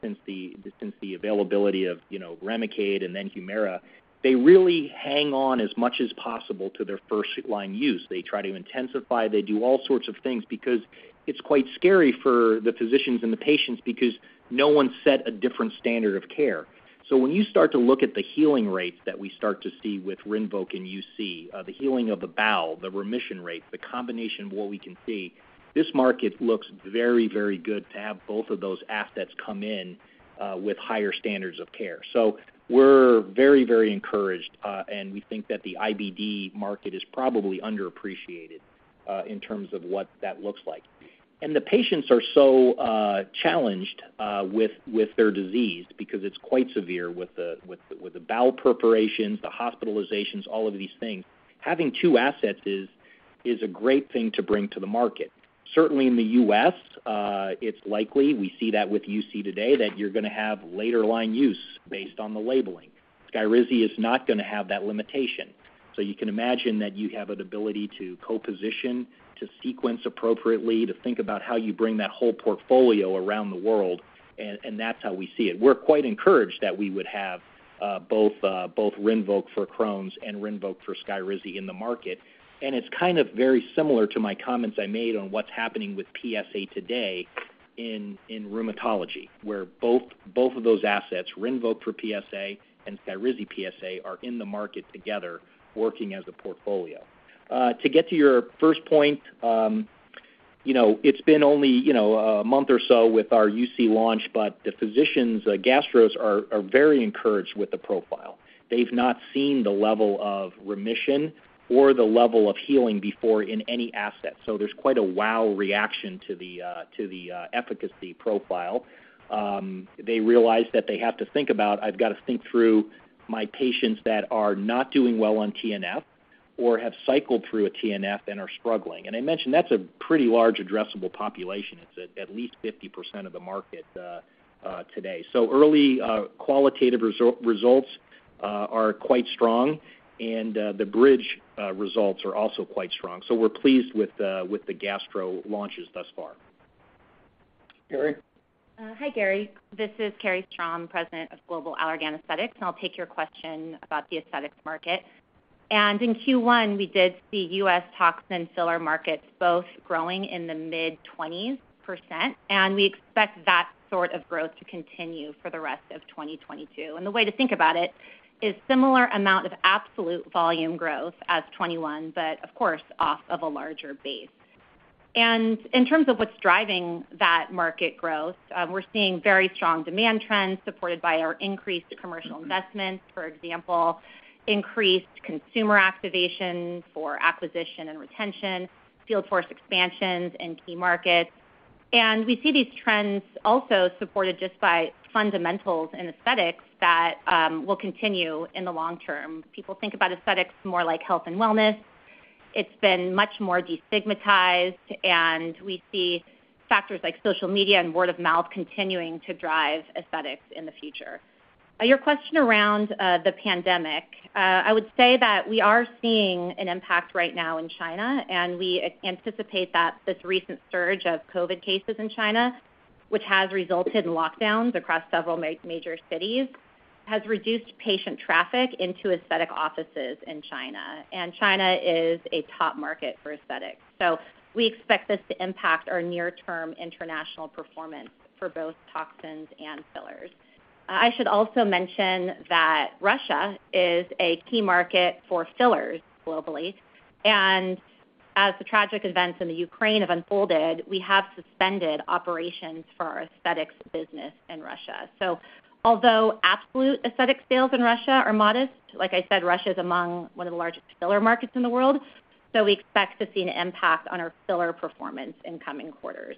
S4: since the availability of, you know, Remicade and then Humira, they really hang on as much as possible to their first line use. They try to intensify. They do all sorts of things because it's quite scary for the physicians and the patients because no one set a different standard of care. When you start to look at the healing rates that we start to see with RINVOQ and UC, the healing of the bowel, the remission rates, the combination of what we can see, this market looks very, very good to have both of those assets come in with higher standards of care. We're very, very encouraged, and we think that the IBD market is probably underappreciated in terms of what that looks like. The patients are so challenged with their disease because it's quite severe with the bowel preparations, the hospitalizations, all of these things. Having two assets is a great thing to bring to the market. Certainly in the U.S., it's likely we see that with UC today that you're gonna have later line use based on the labeling. SKYRIZI is not gonna have that limitation. You can imagine that you have an ability to co-position, to sequence appropriately, to think about how you bring that whole portfolio around the world, and that's how we see it. We're quite encouraged that we would have both RINVOQ for Crohn's and SKYRIZI for Crohn's in the market. It's kind of very similar to my comments I made on what's happening with PSA today in rheumatology, where both of those assets, RINVOQ for PSA and SKYRIZI PSA, are in the market together working as a portfolio. To get to your first point, you know, it's been only, you know, a month or so with our UC launch, but the physicians, the gastros are very encouraged with the profile. They've not seen the level of remission or the level of healing before in any asset. There's quite a wow reaction to the efficacy profile. They realize that they have to think about, I've got to think through my patients that are not doing well on TNF or have cycled through a TNF and are struggling. I mentioned that's a pretty large addressable population. It's at least 50% of the market today. Early qualitative results are quite strong and the bridge results are also quite strong. We're pleased with the gastro launches thus far.
S3: Carrie?
S2: Hi, Gary. This is Carrie Strom, President of Global Allergan Aesthetics, and I'll take your question about the aesthetics market.
S19: In Q1, we did see U.S. toxin and filler markets both growing in the mid-20s%, and we expect that sort of growth to continue for the rest of 2022. The way to think about it is similar amount of absolute volume growth as 2021, but of course, off of a larger base. In terms of what's driving that market growth, we're seeing very strong demand trends supported by our increased commercial investments, for example, increased consumer activation for acquisition and retention, field force expansions in key markets. We see these trends also supported just by fundamentals in aesthetics that will continue in the long term. People think about aesthetics more like health and wellness. It's been much more destigmatized, and we see factors like social media and word of mouth continuing to drive aesthetics in the future. Your question around the pandemic. I would say that we are seeing an impact right now in China, and we anticipate that this recent surge of COVID cases in China, which has resulted in lockdowns across several major cities, has reduced patient traffic into aesthetic offices in China. China is a top market for aesthetics. We expect this to impact our near-term international performance for both toxins and fillers. I should also mention that Russia is a key market for fillers globally. As the tragic events in the Ukraine have unfolded, we have suspended operations for our aesthetics business in Russia. Although absolute aesthetic sales in Russia are modest, like I said, Russia is among one of the largest filler markets in the world, so we expect to see an impact on our filler performance in coming quarters.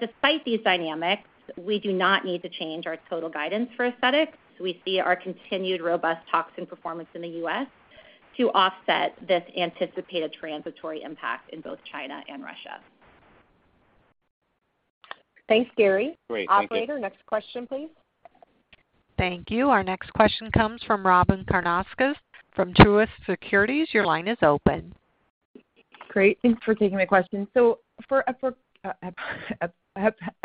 S19: Despite these dynamics, we do not need to change our total guidance for aesthetics. We see our continued robust toxin performance in the U.S. to offset this anticipated transitory impact in both China and Russia.
S2: Thanks, Gary.
S18: Great. Thank you.
S2: Operator, next question, please.
S1: Thank you. Our next question comes from Robyn Karnauskas from Truist Securities. Your line is open.
S20: Great. Thanks for taking my question. For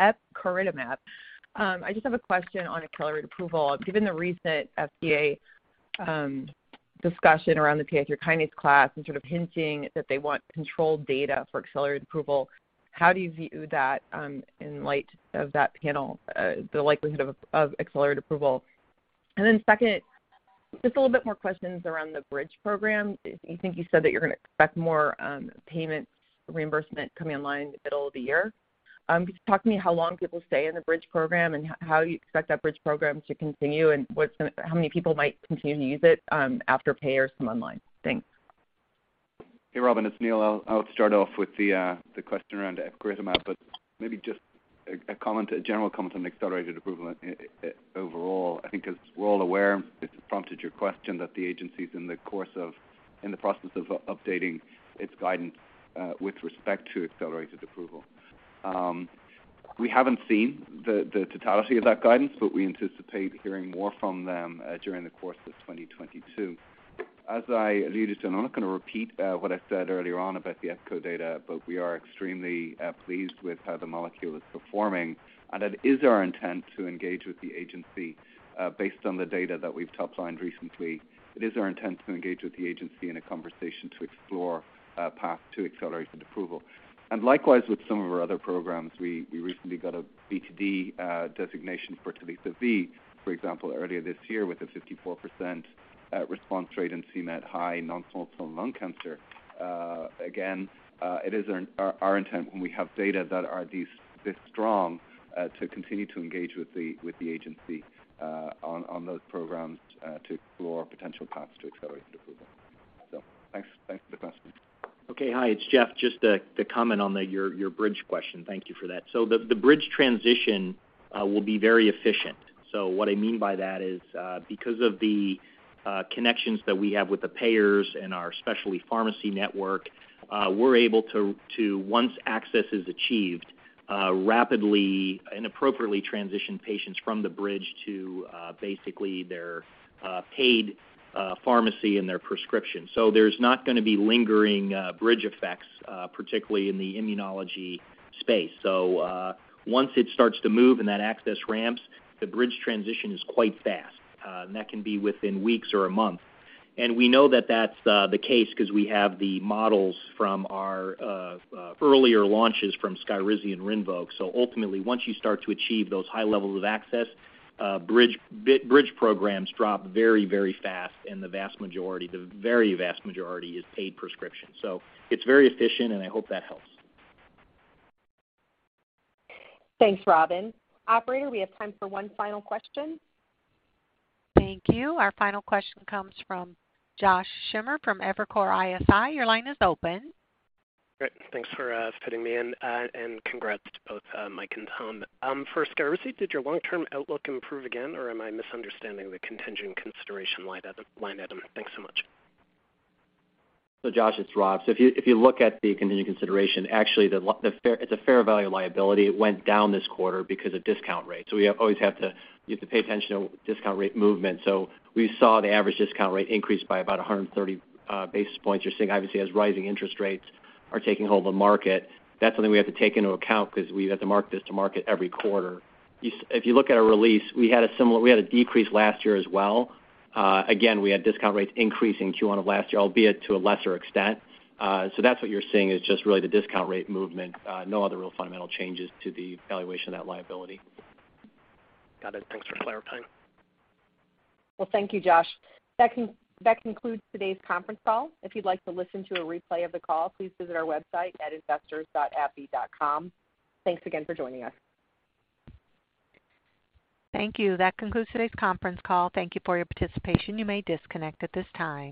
S20: Epcoritamab, I just have a question on accelerated approval. Given the recent FDA discussion around the PI3 kinase class and sort of hinting that they want controlled data for accelerated approval, how do you view that in light of that panel, the likelihood of accelerated approval? Then second, just a little bit more questions around the Bridge program. I think you said that you're gonna expect more payments, reimbursement coming online in the middle of the year. Could you talk to me how long people stay in the Bridge program and how you expect that Bridge program to continue and how many people might continue to use it after payers come online? Thanks.
S9: Hey, Robyn, it's Neil. I'll start off with the question around Epcoritamab, but maybe just a comment, a general comment on accelerated approval overall. I think as we're all aware, it's prompted your question that the agency's in the process of updating its guidance with respect to accelerated approval. We haven't seen the totality of that guidance, but we anticipate hearing more from them during the course of 2022. As I alluded to, and I'm not gonna repeat what I said earlier on about the EPCO data, but we are extremely pleased with how the molecule is performing, and it is our intent to engage with the agency based on the data that we've top-lined recently. It is our intent to engage with the agency in a conversation to explore a path to accelerated approval. Likewise, with some of our other programs, we recently got a BTD designation for Telisotuzumab vedotin, for example, earlier this year with a 54% response rate in c-Met high non-small cell lung cancer. Again, it is our intent when we have data that are this strong to continue to engage with the agency on those programs to explore potential paths to accelerated approval. Thanks. Thanks for the question.
S4: Okay. Hi, it's Jeff. Just to comment on your Bridge question. Thank you for that. The Bridge transition will be very efficient. What I mean by that is, because of the connections that we have with the payers and our specialty pharmacy network, we're able to once access is achieved, rapidly and appropriately transition patients from the Bridge to basically their paid pharmacy and their prescription. There's not gonna be lingering Bridge effects, particularly in the immunology space. Once it starts to move and that access ramps, the Bridge transition is quite fast. That can be within weeks or a month. We know that that's the case 'cause we have the models from our earlier launches from SKYRIZI and RINVOQ. Ultimately, once you start to achieve those high levels of access, bridge programs drop very fast and the very vast majority is paid prescription. It's very efficient, and I hope that helps.
S2: Thanks, Robyn. Operator, we have time for one final question.
S1: Thank you. Our final question comes from Josh Schimmer from Evercore ISI. Your line is open.
S20: Great. Thanks for fitting me in, and congrats to both Mike and Tom. For SKYRIZI, did your long-term outlook improve again, or am I misunderstanding the contingent consideration line item? Thanks so much.
S6: Josh, it's Rob. If you look at the contingent consideration, actually it's a fair value liability. It went down this quarter because of discount rates. We always have to. You have to pay attention to discount rate movement. We saw the average discount rate increase by about 130 basis points. You're seeing, obviously, as rising interest rates are taking hold of the market. That's something we have to take into account because we have to mark this to market every quarter. If you look at our release, we had a similar decrease last year as well. Again, we had discount rates increase in Q1 of last year, albeit to a lesser extent. That's what you're seeing is just really the discount rate movement. No other real fundamental changes to the valuation of that liability.
S21: Got it. Thanks for clearing our time.
S2: Well, thank you, Josh. That concludes today's conference call. If you'd like to listen to a replay of the call, please visit our website at investors.abbvie.com. Thanks again for joining us.
S1: Thank you. That concludes today's conference call. Thank you for your participation. You may disconnect at this time.